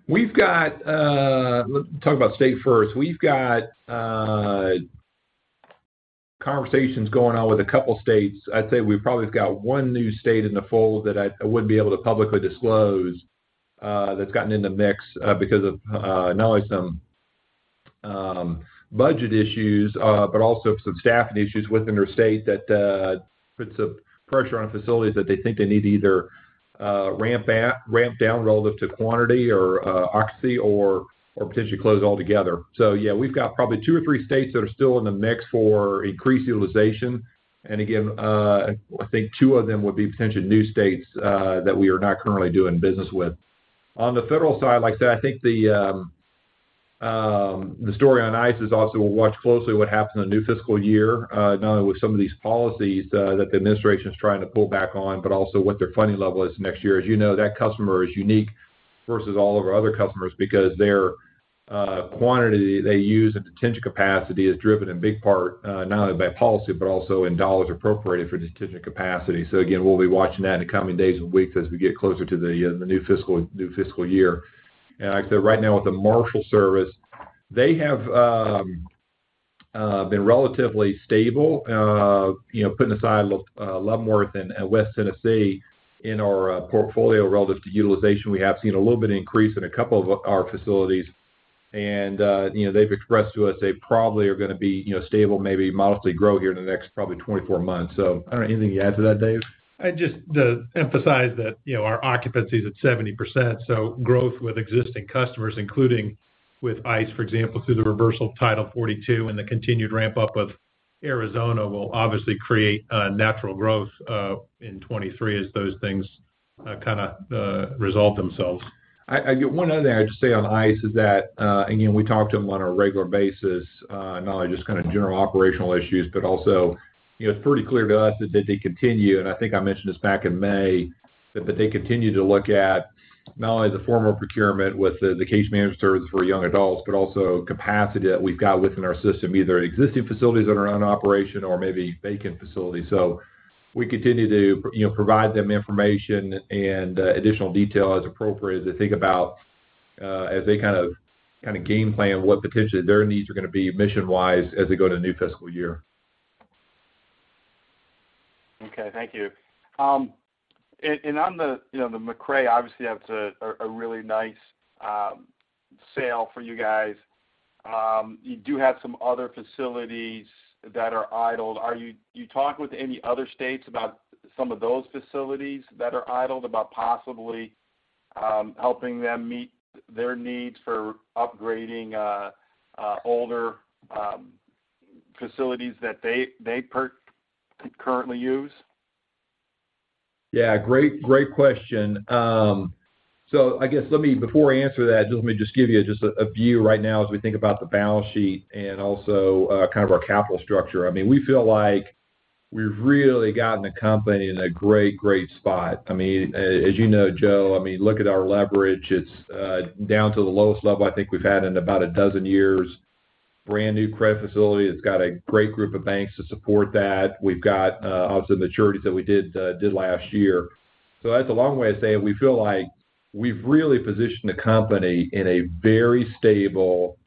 We've got. Let me talk about state first. We've got conversations going on with a couple states. I'd say we've probably got one new state in the fold that I wouldn't be able to publicly disclose, that's gotten in the mix, because of not only some budget issues, but also some staffing issues within their state that puts a pressure on facilities that they think they need to either ramp down relative to quantity or occupancy or potentially close altogether. Yeah, we've got probably two or three states that are still in the mix for increased utilization. Again, I think two of them would be potentially new states that we are not currently doing business with. On the federal side, like I said, I think the story on ICE is also we'll watch closely what happens in the new fiscal year, not only with some of these policies that the administration is trying to pull back on, but also what their funding level is next year. As you know, that customer is unique versus all of our other customers because their quantity they use and potential capacity is driven in big part, not only by policy, but also in dollars appropriated for this potential capacity. Again, we'll be watching that in the coming days and weeks as we get closer to the new fiscal year. Like I said, right now with the Marshals Service, they have been relatively stable. You know, putting aside Leavenworth and West Tennessee, in our portfolio relative to utilization, we have seen a little bit of increase in a couple of our facilities. You know, they've expressed to us they probably are gonna be, you know, stable, maybe modestly grow here in the next probably 24 months. I don't know, anything to add to that, Dave?
I'd just emphasize that, you know, our occupancy is at 70%, so growth with existing customers, including with ICE, for example, through the reversal of Title 42 and the continued ramp up of Arizona, will obviously create natural growth in 2023 as those things kinda resolve themselves.
One other thing I'd just say on ICE is that, again, we talk to them on a regular basis, not only just kind of general operational issues, but also, you know, it's pretty clear to us that they continue, and I think I mentioned this back in May, that they continue to look at not only the formal procurement with the case management services for young adults, but also capacity that we've got within our system, either existing facilities that are in operation or maybe vacant facilities. We continue to, you know, provide them information and additional detail as appropriate to think about, as they kind of game plan what potentially their needs are gonna be mission-wise as they go to the new fiscal year.
Okay. Thank you. On the, you know, the McRae, obviously that's a really nice sale for you guys. You do have some other facilities that are idled. Do you talk with any other states about some of those facilities that are idled about possibly helping them meet their needs for upgrading older facilities that they currently use?
Yeah. Great question. Before I answer that, let me give you a view right now as we think about the balance sheet and also kind of our capital structure. I mean, we feel like we've really gotten the company in a great spot. I mean, as you know, Joe, I mean, look at our leverage. It's down to the lowest level I think we've had in about a dozen years. Brand-new credit facility. It's got a great group of banks to support that. We've got obviously maturities that we did last year. That's a long way of saying we feel like we've really positioned the company in a very stable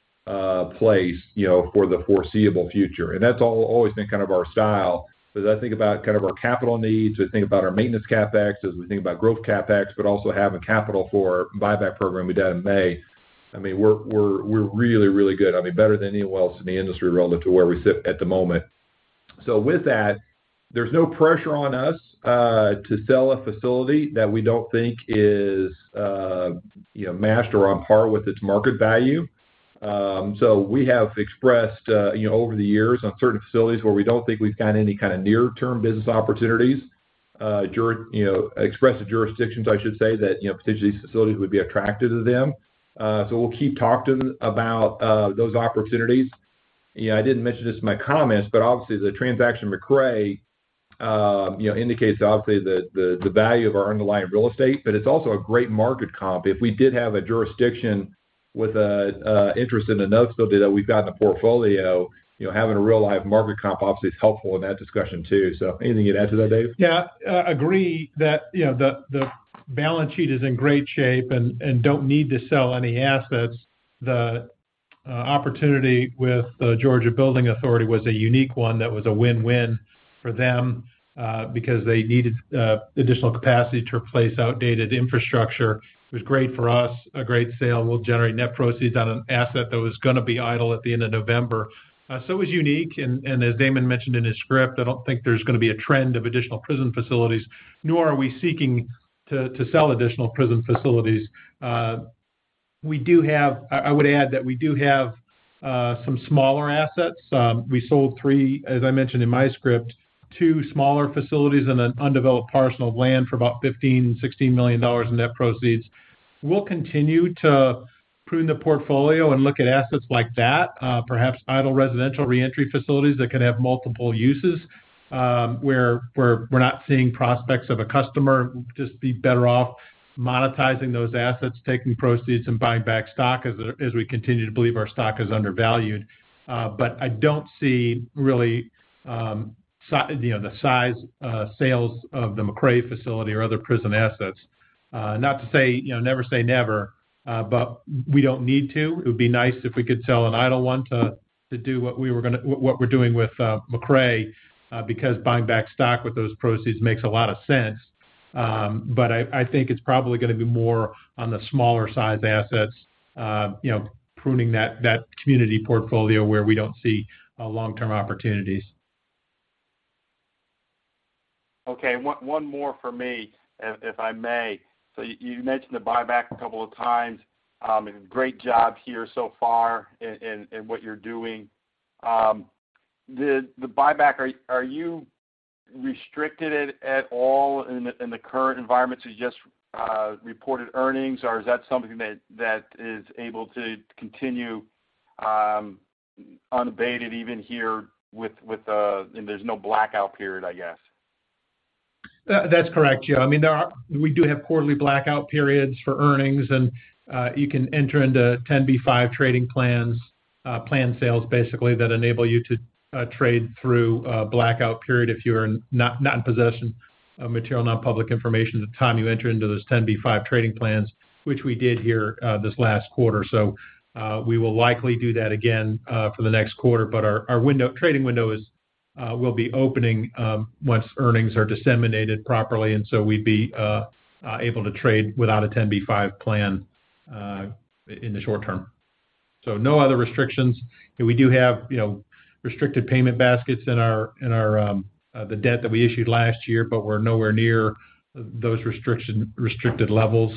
place, you know, for the foreseeable future. That's always been kind of our style. As I think about kind of our capital needs, as I think about our maintenance CapEx, as we think about growth CapEx, but also having capital for buyback program we done in May, I mean, we're really good. I mean, better than anyone else in the industry relative to where we sit at the moment. With that, there's no pressure on us to sell a facility that we don't think is, you know, matched or on par with its market value. We have expressed, you know, over the years on certain facilities where we don't think we've got any kind of near-term business opportunities, you know, expressed to jurisdictions, I should say, that, you know, potentially these facilities would be attractive to them. We'll keep talking about those opportunities. You know, I didn't mention this in my comments, but obviously, the transaction with McRae indicates obviously the value of our underlying real estate, but it's also a great market comp. If we did have a jurisdiction with an interest in another facility that we've got in the portfolio, you know, having a real live market comp obviously is helpful in that discussion too. Anything you'd add to that, Dave?
Yeah. Agree that, you know, the balance sheet is in great shape and don't need to sell any assets. The opportunity with the Georgia Building Authority was a unique one that was a win-win for them because they needed additional capacity to replace outdated infrastructure. It was great for us, a great sale. We'll generate net proceeds on an asset that was gonna be idle at the end of November. It was unique. As Damon mentioned in his script, I don't think there's gonna be a trend of additional prison facilities, nor are we seeking to sell additional prison facilities. I would add that we do have some smaller assets. We sold three, as I mentioned in my script, two smaller facilities and an undeveloped parcel of land for about $15 million-$16 million in net proceeds. We'll continue to prune the portfolio and look at assets like that, perhaps idle residential reentry facilities that can have multiple uses, where we're not seeing prospects of a customer. We'll just be better off monetizing those assets, taking proceeds and buying back stock as we continue to believe our stock is undervalued. But I don't see really significant, you know, sales of the McRae facility or other prison assets. Not to say, you know, never say never, but we don't need to. It would be nice if we could sell an idle one to do what we're doing with McRae, because buying back stock with those proceeds makes a lot of sense. I think it's probably gonna be more on the smaller size assets, you know, pruning that community portfolio where we don't see long-term opportunities.
Okay. One more for me, if I may. You mentioned the buyback a couple of times. Great job here so far in what you're doing. The buyback, are you restricted at all in the current environment to just reported earnings, or is that something that is able to continue unabated, and there's no blackout period, I guess?
That's correct, Joe. I mean, we do have quarterly blackout periods for earnings, and you can enter into 10b5-1 trading plans, plan sales basically, that enable you to trade through a blackout period if you're not in possession of material non-public information at the time you enter into those 10b5-1 trading plans, which we did here this last quarter. We will likely do that again for the next quarter. Our trading window will be opening once earnings are disseminated properly, and we'd be able to trade without a 10b5-1 plan in the short term. No other restrictions. We do have, you know, restricted payment baskets in our the debt that we issued last year, but we're nowhere near those restricted levels.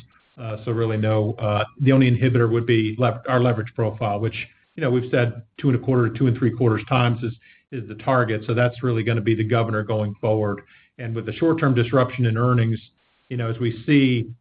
Really no. The only inhibitor would be our leverage profile, which, you know, we've said 2.25x-2.75x is the target. So that's really gonna be the governor going forward. With the short-term disruption in earnings, you know, as we see,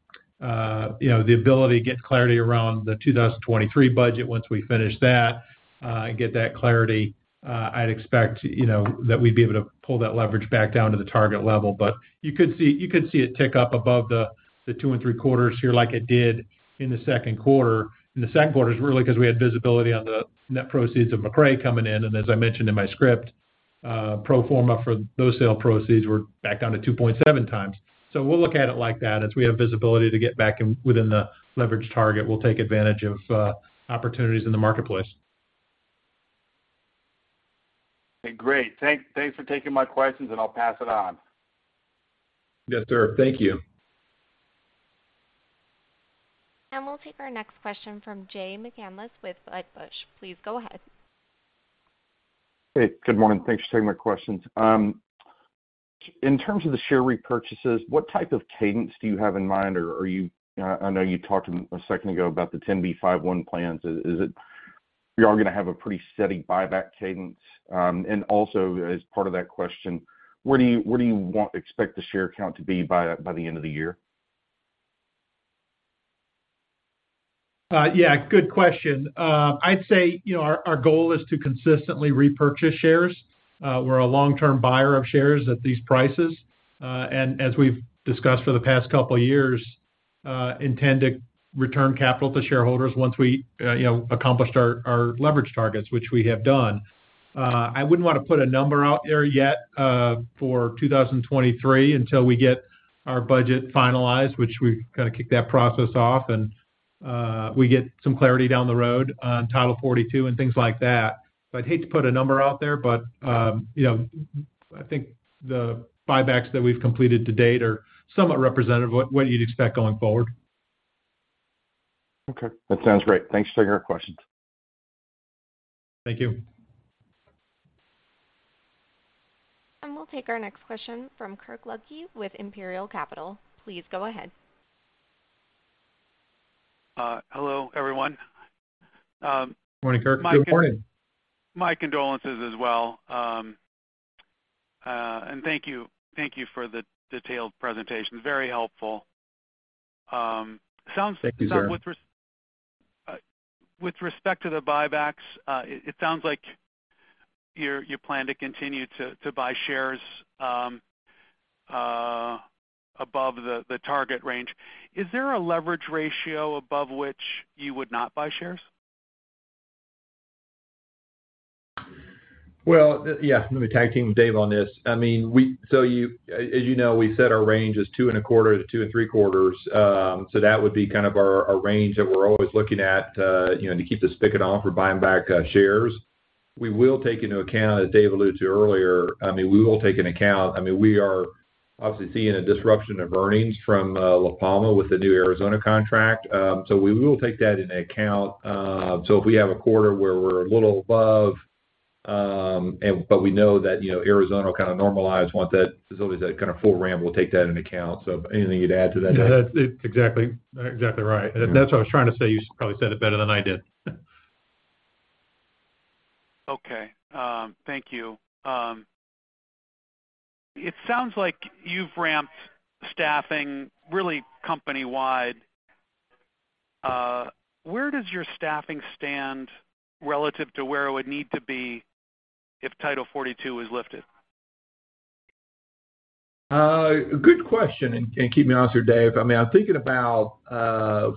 you know, the ability to get clarity around the 2023 budget, once we finish that, and get that clarity, I'd expect, you know, that we'd be able to pull that leverage back down to the target level. You could see it tick up above the 2.75x here like it did in the second quarter. The second quarter is really because we had visibility on the net proceeds of McRae coming in. As I mentioned in my script, pro forma for those sale proceeds were back down to 2.7x. We'll look at it like that. As we have visibility to get back in within the leverage target, we'll take advantage of opportunities in the marketplace.
Great. Thanks, thanks for taking my questions, and I'll pass it on.
Yes, sir. Thank you.
We'll take our next question from Jay McCanless with Wedbush. Please go ahead.
Hey, good morning. Thanks for taking my questions. In terms of the share repurchases, what type of cadence do you have in mind? I know you talked a second ago about the 10b5-1 plans. Is it you are gonna have a pretty steady buyback cadence? Also as part of that question, where do you expect the share count to be by the end of the year?
Yeah, good question. I'd say, you know, our goal is to consistently repurchase shares. We're a long-term buyer of shares at these prices. As we've discussed for the past couple of years, intend to return capital to shareholders once we, you know, accomplished our leverage targets, which we have done. I wouldn't want to put a number out there yet, for 2023 until we get our budget finalized, which we've got to kick that process off and, we get some clarity down the road on Title 42 and things like that. I'd hate to put a number out there, but, you know, I think the buybacks that we've completed to date are somewhat representative of what you'd expect going forward.
Okay, that sounds great. Thanks for taking our questions.
Thank you.
We'll take our next question from Kirk Ludtke with Imperial Capital. Please go ahead.
Hello, everyone.
Good morning, Kirk. Good morning.
My condolences as well. Thank you. Thank you for the detailed presentation. Very helpful.
Thank you, sir.
With respect to the buybacks, it sounds like you plan to continue to buy shares above the target range. Is there a leverage ratio above which you would not buy shares?
Well, yeah, let me tag team with Dave on this. I mean, as you know, we set our range as $2.25-$2.75, so that would be kind of our range that we're always looking at to, you know, to keep the spigot on for buying back shares. We will take into account, as Dave alluded to earlier. I mean, we are obviously seeing a disruption of earnings from La Palma with the new Arizona contract, so we will take that into account. If we have a quarter where we're a little above, but we know that, you know, Arizona will kind of normalize once that facility is kind of full ramp, we'll take that into account. Anything you'd add to that, Dave?
Yeah, that's exactly right. That's what I was trying to say. You probably said it better than I did.
Okay. Thank you. It sounds like you've ramped staffing really company-wide. Where does your staffing stand relative to where it would need to be if Title 42 is lifted?
Good question. Keep me honest here, Dave. I mean, I'm thinking about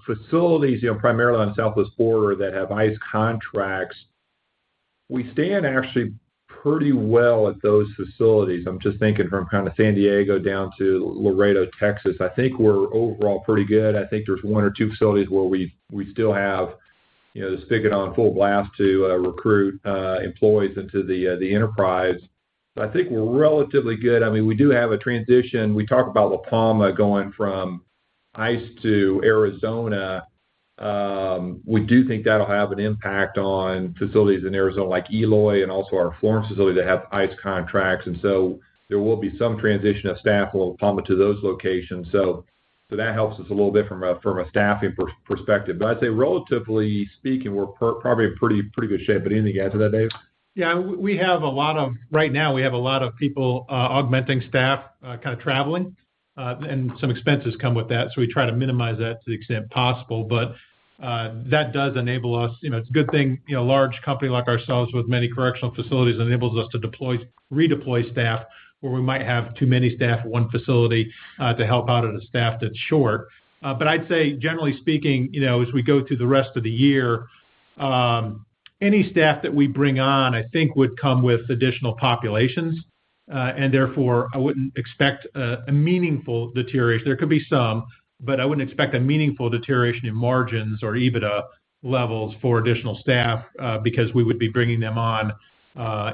facilities, you know, primarily on the Southwest border that have ICE contracts. We stand actually pretty well at those facilities. I'm just thinking from kind of San Diego down to Laredo, Texas. I think we're overall pretty good. I think there's one or two facilities where we still have, you know, the spigot on full blast to recruit employees into the enterprise. I think we're relatively good. I mean, we do have a transition. We talk about La Palma going from ICE to Arizona. We do think that'll have an impact on facilities in Arizona like Eloy and also our Florence facility that have ICE contracts. There will be some transition of staff from La Palma to those locations. That helps us a little bit from a staffing perspective. I'd say relatively speaking, we're probably in pretty good shape. Anything to add to that, Dave?
Yeah, we have a lot of people augmenting staff, kind of traveling, and some expenses come with that, so we try to minimize that to the extent possible. That does enable us, you know, it's a good thing, you know, a large company like ourselves with many correctional facilities enables us to redeploy staff, where we might have too many staff at one facility to help out at a staff that's short. I'd say generally speaking, you know, as we go through the rest of the year, any staff that we bring on, I think would come with additional populations, and therefore I wouldn't expect a meaningful deterioration. There could be some, but I wouldn't expect a meaningful deterioration in margins or EBITDA levels for additional staff, because we would be bringing them on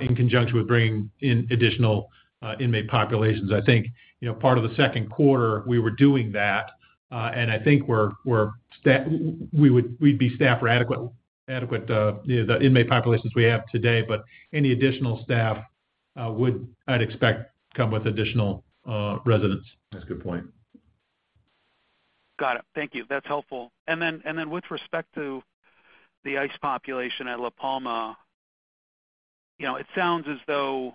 in conjunction with bringing in additional inmate populations. I think, you know, part of the second quarter, we were doing that, and I think we'd be staffed for adequate, you know, the inmate populations we have today, but any additional staff would, I'd expect, come with additional residents.
That's a good point.
Got it. Thank you. That's helpful. With respect to the ICE population at La Palma, you know, it sounds as though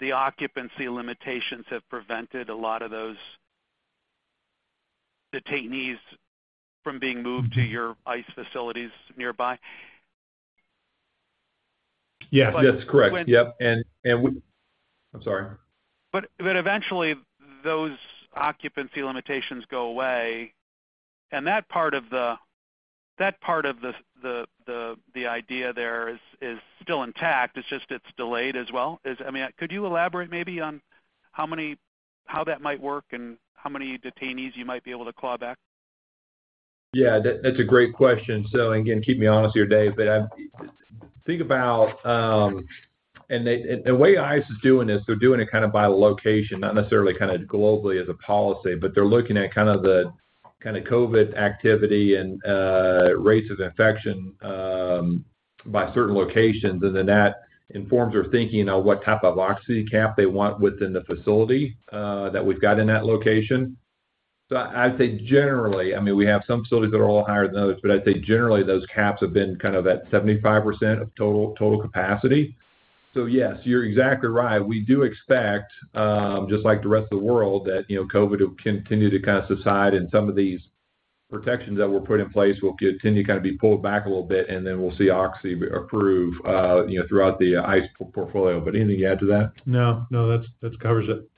the occupancy limitations have prevented a lot of those detainees from being moved to your ICE facilities nearby.
Yeah. Yes, correct. Yep. I'm sorry.
Eventually, those occupancy limitations go away. That part of the idea there is still intact. It's just delayed as well. I mean, could you elaborate maybe on how that might work and how many detainees you might be able to claw back?
Yeah, that's a great question. Again, keep me honest here, Dave, but think about the way ICE is doing this. They're doing it kind of by location, not necessarily kind of globally as a policy, but they're looking at kind of the kind of COVID activity and rates of infection by certain locations. That informs their thinking on what type of occupancy cap they want within the facility that we've got in that location. I'd say generally, I mean, we have some facilities that are a little higher than others, but I'd say generally those caps have been kind of at 75% of total capacity. Yes, you're exactly right. We do expect, just like the rest of the world, that, you know, COVID will continue to kind of subside and some of these protections that were put in place will tend to kind of be pulled back a little bit, and then we'll see occupancy improve, you know, throughout the ICE portfolio. But anything to add to that?
No, no, that covers it.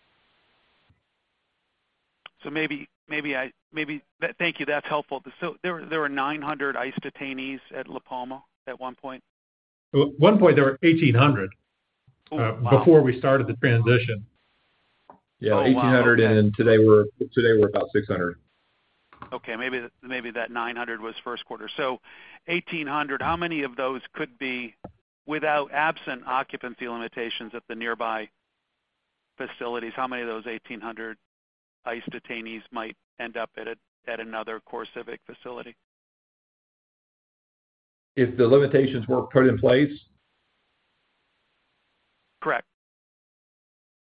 Thank you, that's helpful. There were 900 ICE detainees at La Palma at one point?
At one point, there were 1,800.
Oh, wow.
Before we started the transition.
Yeah, 1,800, and today we're about 600.
Okay, maybe that 900 was first quarter. 1,800, how many of those could be without absent occupancy limitations at the nearby facilities? How many of those 1,800 ICE detainees might end up at another CoreCivic facility?
If the limitations were put in place?
Correct.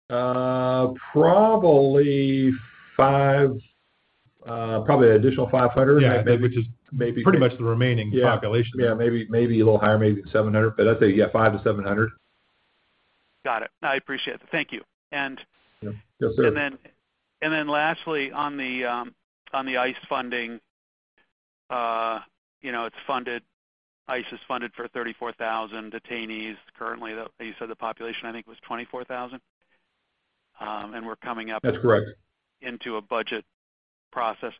Probably additional 500.
Yeah.
Maybe-
Pretty much the remaining population.
Yeah. Maybe a little higher, maybe 700. I'd say, yeah, 500-700.
Got it. I appreciate it. Thank you.
Yeah. Yes, sir.
Lastly, on the ICE funding, you know, ICE is funded for 34,000 detainees. Currently, you said the population, I think, was 24,000, and we're coming up.
That's correct.
into a budget process.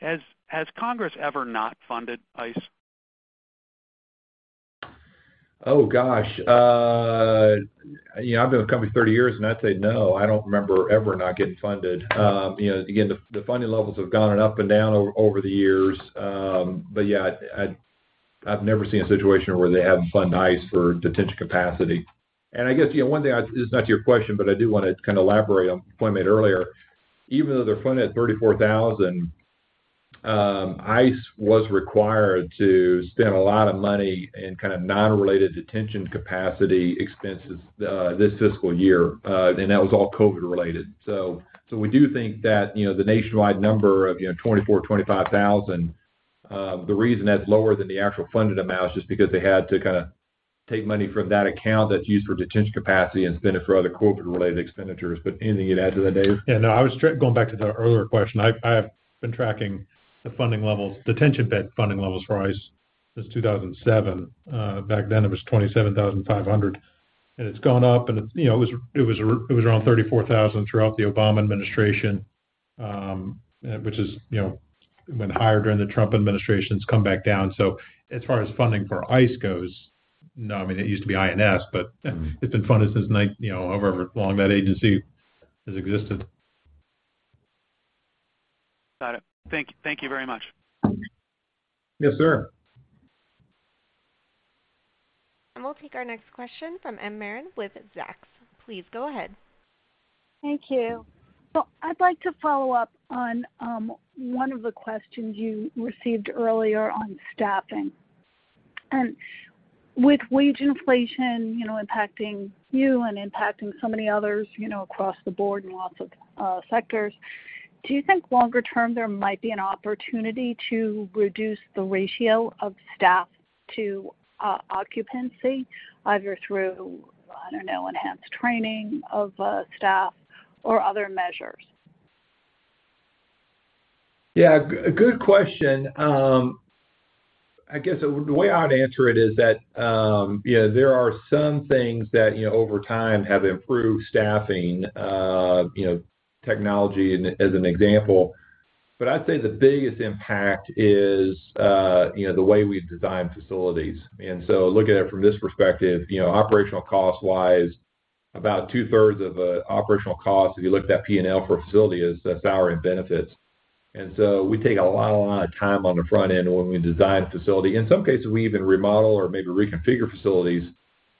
Has Congress ever not funded ICE?
Oh, gosh. You know, I've been with the company 30 years, and I'd say no, I don't remember ever not getting funded. You know, again, the funding levels have gone up and down over the years. But yeah, I've never seen a situation where they haven't funded ICE for detention capacity. I guess, you know, one thing. This is not to your question, but I do wanna kind of elaborate on a point made earlier. Even though they're funded at 34,000, ICE was required to spend a lot of money in kind of non-related detention capacity expenses, this fiscal year, and that was all COVID-related. We do think that, you know, the nationwide number of, you know, 24,000-25,000, the reason that's lower than the actual funded amount is just because they had to kinda take money from that account that's used for detention capacity and spend it for other COVID-related expenditures. But anything you'd add to that, Dave?
Yeah, no. Going back to the earlier question, I have been tracking the funding levels, detention bed funding levels for ICE since 2007. Back then it was 27,500. It's gone up, you know, it was around 34,000 throughout the Obama administration, which went higher during the Trump administration. It's come back down. As far as funding for ICE goes, no. I mean, it used to be INS, but it's been funded since, you know, however long that agency has existed.
Got it. Thank you very much.
Yes, sir.
We'll take our next question from M. Marin with Zacks. Please go ahead.
Thank you. I'd like to follow up on one of the questions you received earlier on staffing. With wage inflation, you know, impacting you and impacting so many others, you know, across the board in lots of sectors, do you think longer term there might be an opportunity to reduce the ratio of staff to occupancy, either through, I don't know, enhanced training of staff or other measures?
Yeah, good question. I guess the way I'd answer it is that, you know, there are some things that, you know, over time have improved staffing, you know, technology as an example. I'd say the biggest impact is, you know, the way we design facilities. Looking at it from this perspective, you know, operational cost-wise, about two-thirds of the operational cost, if you look at that P&L for a facility, is the salary and benefits. We take a lot, a lot of time on the front end when we design a facility. In some cases, we even remodel or maybe reconfigure facilities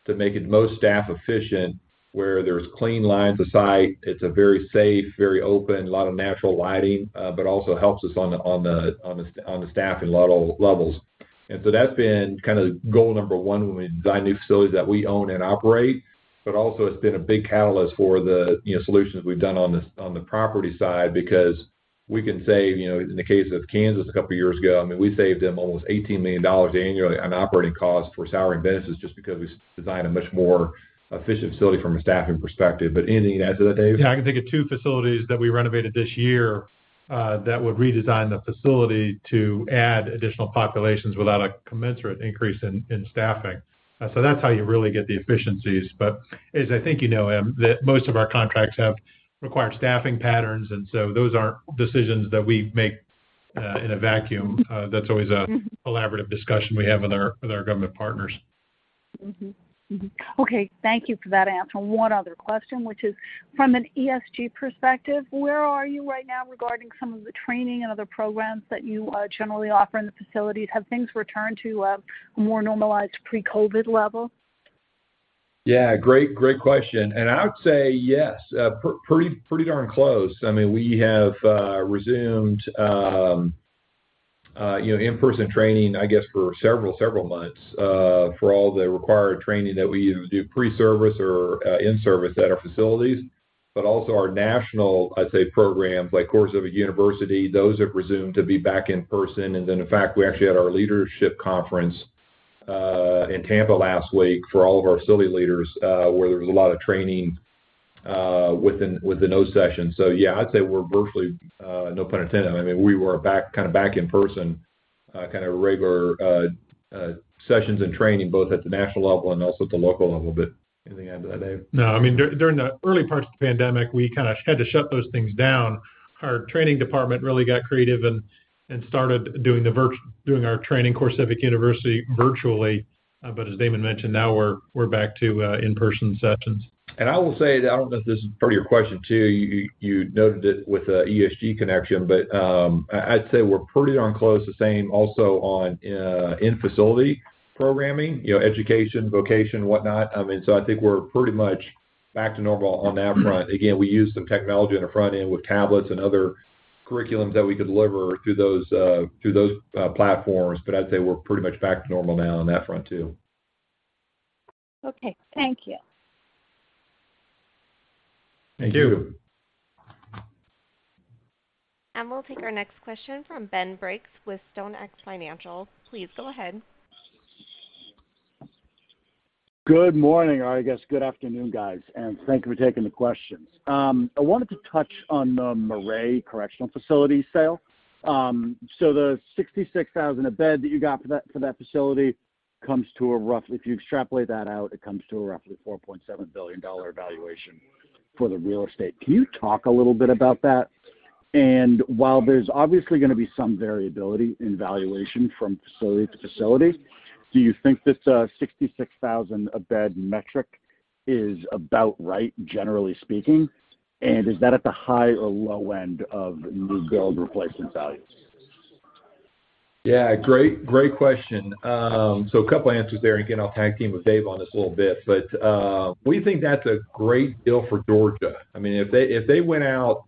to make it most staff efficient, where there's clean lines of sight, it's a very safe, very open, a lot of natural lighting, but also helps us on the staffing levels. That's been kind of goal number one when we design new facilities that we own and operate. Also it's been a big catalyst for the, you know, solutions we've done on the property side because we can save, you know, in the case of Kansas a couple of years ago, I mean, we saved them almost $18 million annually on operating costs for salary and benefits just because we designed a much more efficient facility from a staffing perspective. Anything to add to that, Dave?
Yeah. I can think of two facilities that we renovated this year, that would redesign the facility to add additional populations without a commensurate increase in staffing. That's how you really get the efficiencies. As I think you know, Em, most of our contracts have required staffing patterns, and so those aren't decisions that we make in a vacuum. That's always a collaborative discussion we have with our government partners.
Okay, thank you for that answer. One other question, which is from an ESG perspective, where are you right now regarding some of the training and other programs that you generally offer in the facilities? Have things returned to a more normalized pre-COVID level?
Yeah, great question. I would say yes, pretty darn close. I mean, we have resumed, you know, in-person training, I guess, for several months, for all the required training that we either do pre-service or in-service at our facilities. Our national, I'd say, programs, like CoreCivic University, those have resumed to be back in person. In fact, we actually had our leadership conference in Tampa last week for all of our facility leaders, where there was a lot of training within those sessions. Yeah, I'd say we're virtually, no pun intended. I mean, we were back, kind of back in person, kind of regular sessions and training, both at the national level and also at the local level. Anything to add to that, Dave?
No. I mean, during the early parts of the pandemic, we kind of had to shut those things down. Our training department really got creative and started doing our training, CoreCivic University, virtually. As Damon mentioned, now we're back to in-person sessions.
I will say that, I don't know if this is part of your question, too, you noted it with the ESG connection, but, I'd say we're pretty darn close to same also on in-facility programming, you know, education, vocation, whatnot. I mean, I think we're pretty much back to normal on that front. Again, we use some technology on the front end with tablets and other curriculums that we deliver through those platforms. I'd say we're pretty much back to normal now on that front, too.
Okay. Thank you.
Thank you.
Thank you.
We'll take our next question from Ben Briggs with StoneX Financial. Please go ahead.
Good morning. Or I guess good afternoon, guys, and thank you for taking the questions. I wanted to touch on the McRae Correctional Facility sale. So the $66,000 a bed that you got for that facility. If you extrapolate that out, it comes to a roughly $4.7 billion valuation for the real estate. Can you talk a little bit about that? While there's obviously gonna be some variability in valuation from facility to facility, do you think this $66,000 a bed metric is about right, generally speaking? Is that at the high or low end of new build replacement values?
Yeah, great question. So a couple answers there. Again, I'll tag team with Dave on this a little bit. We think that's a great deal for Georgia. I mean, if they went out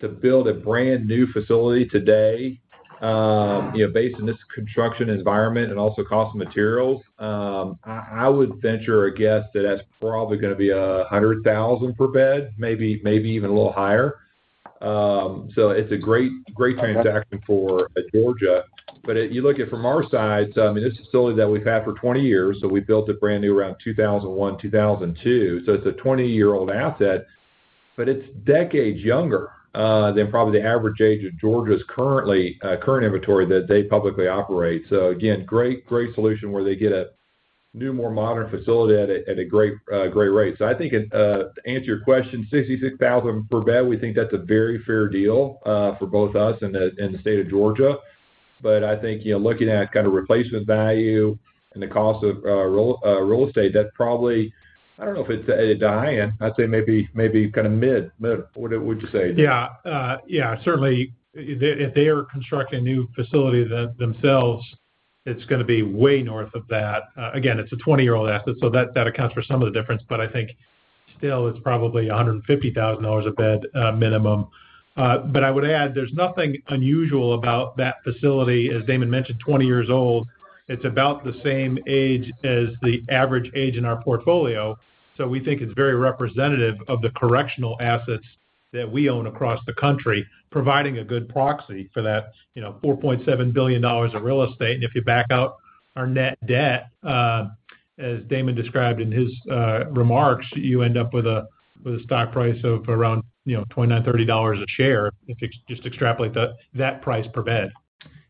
to build a brand-new facility today, you know, based on this construction environment and also cost of materials, I would venture a guess that that's probably gonna be $100,000 per bed, maybe even a little higher. So it's a great transaction for Georgia. But if you look at it from our side, I mean, this is a facility that we've had for 20 years, so we built it brand new around 2001, 2002, so it's a 20-year-old asset. But it's decades younger than probably the average age of Georgia's current inventory that they publicly operate. Again, great solution where they get a new, more modern facility at a great rate. I think, to answer your question, $66,000 per bed, we think that's a very fair deal, for both us and the state of Georgia. I think, you know, looking at kind of replacement value and the cost of real estate, that's probably. I don't know if it's at a high end. I'd say maybe kind of mid. What would you say, Dave?
Yeah. Certainly if they are constructing a new facility themselves, it's gonna be way north of that. Again, it's a 20-year-old asset, so that accounts for some of the difference. I think still it's probably $150,000 a bed, minimum. I would add, there's nothing unusual about that facility. As Damon mentioned, 20 years old. It's about the same age as the average age in our portfolio. We think it's very representative of the correctional assets that we own across the country, providing a good proxy for that, you know, $4.7 billion of real estate. If you back out our net debt, as Damon described in his remarks, you end up with a stock price of around, you know, $29-$30 a share if you just extrapolate that price per bed.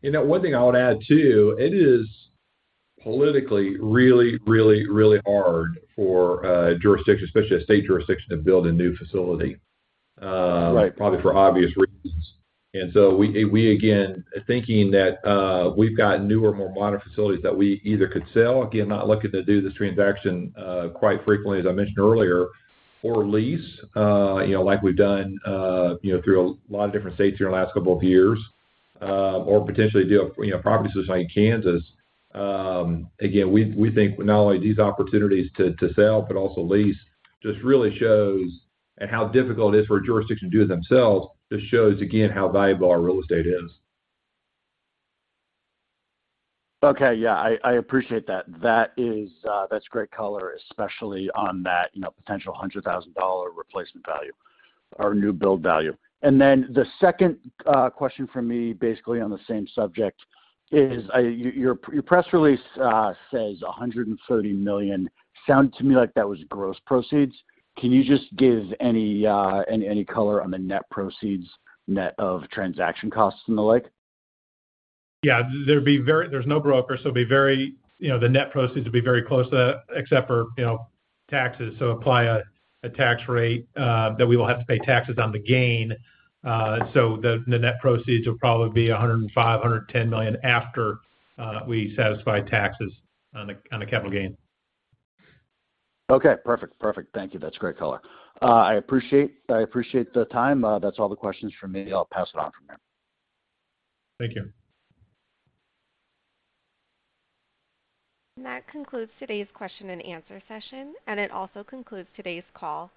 You know, one thing I would add, too, it is politically really, really, really hard for a jurisdiction, especially a state jurisdiction, to build a new facility.
Right...
probably for obvious reasons. We again are thinking that we've got newer, more modern facilities that we either could sell, again, not looking to do this transaction quite frequently, as I mentioned earlier, or lease, you know, like we've done, you know, through a lot of different states here in the last couple of years. Or potentially do, you know, properties in a state like Kansas. Again, we think not only these opportunities to sell, but also lease, just really shows how difficult it is for a jurisdiction to do it themselves. Just shows again how valuable our real estate is.
Okay. Yeah, I appreciate that. That is. That's great color, especially on that, you know, potential $100,000 replacement value or new build value. The second question from me, basically on the same subject, is your press release says $130 million. Sounded to me like that was gross proceeds. Can you just give any color on the net proceeds, net of transaction costs and the like?
Yeah. There's no broker, so it'd be very. You know, the net proceeds would be very close to, except for, you know, taxes. Apply a tax rate that we will have to pay taxes on the gain. The net proceeds will probably be $105-$110 million after we satisfy taxes on the capital gain.
Okay. Perfect. Thank you. That's great color. I appreciate the time. That's all the questions from me. I'll pass it on from here.
Thank you.
That concludes today's question and answer session, and it also concludes today's call.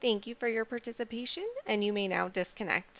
Thank you for your participation, and you may now disconnect.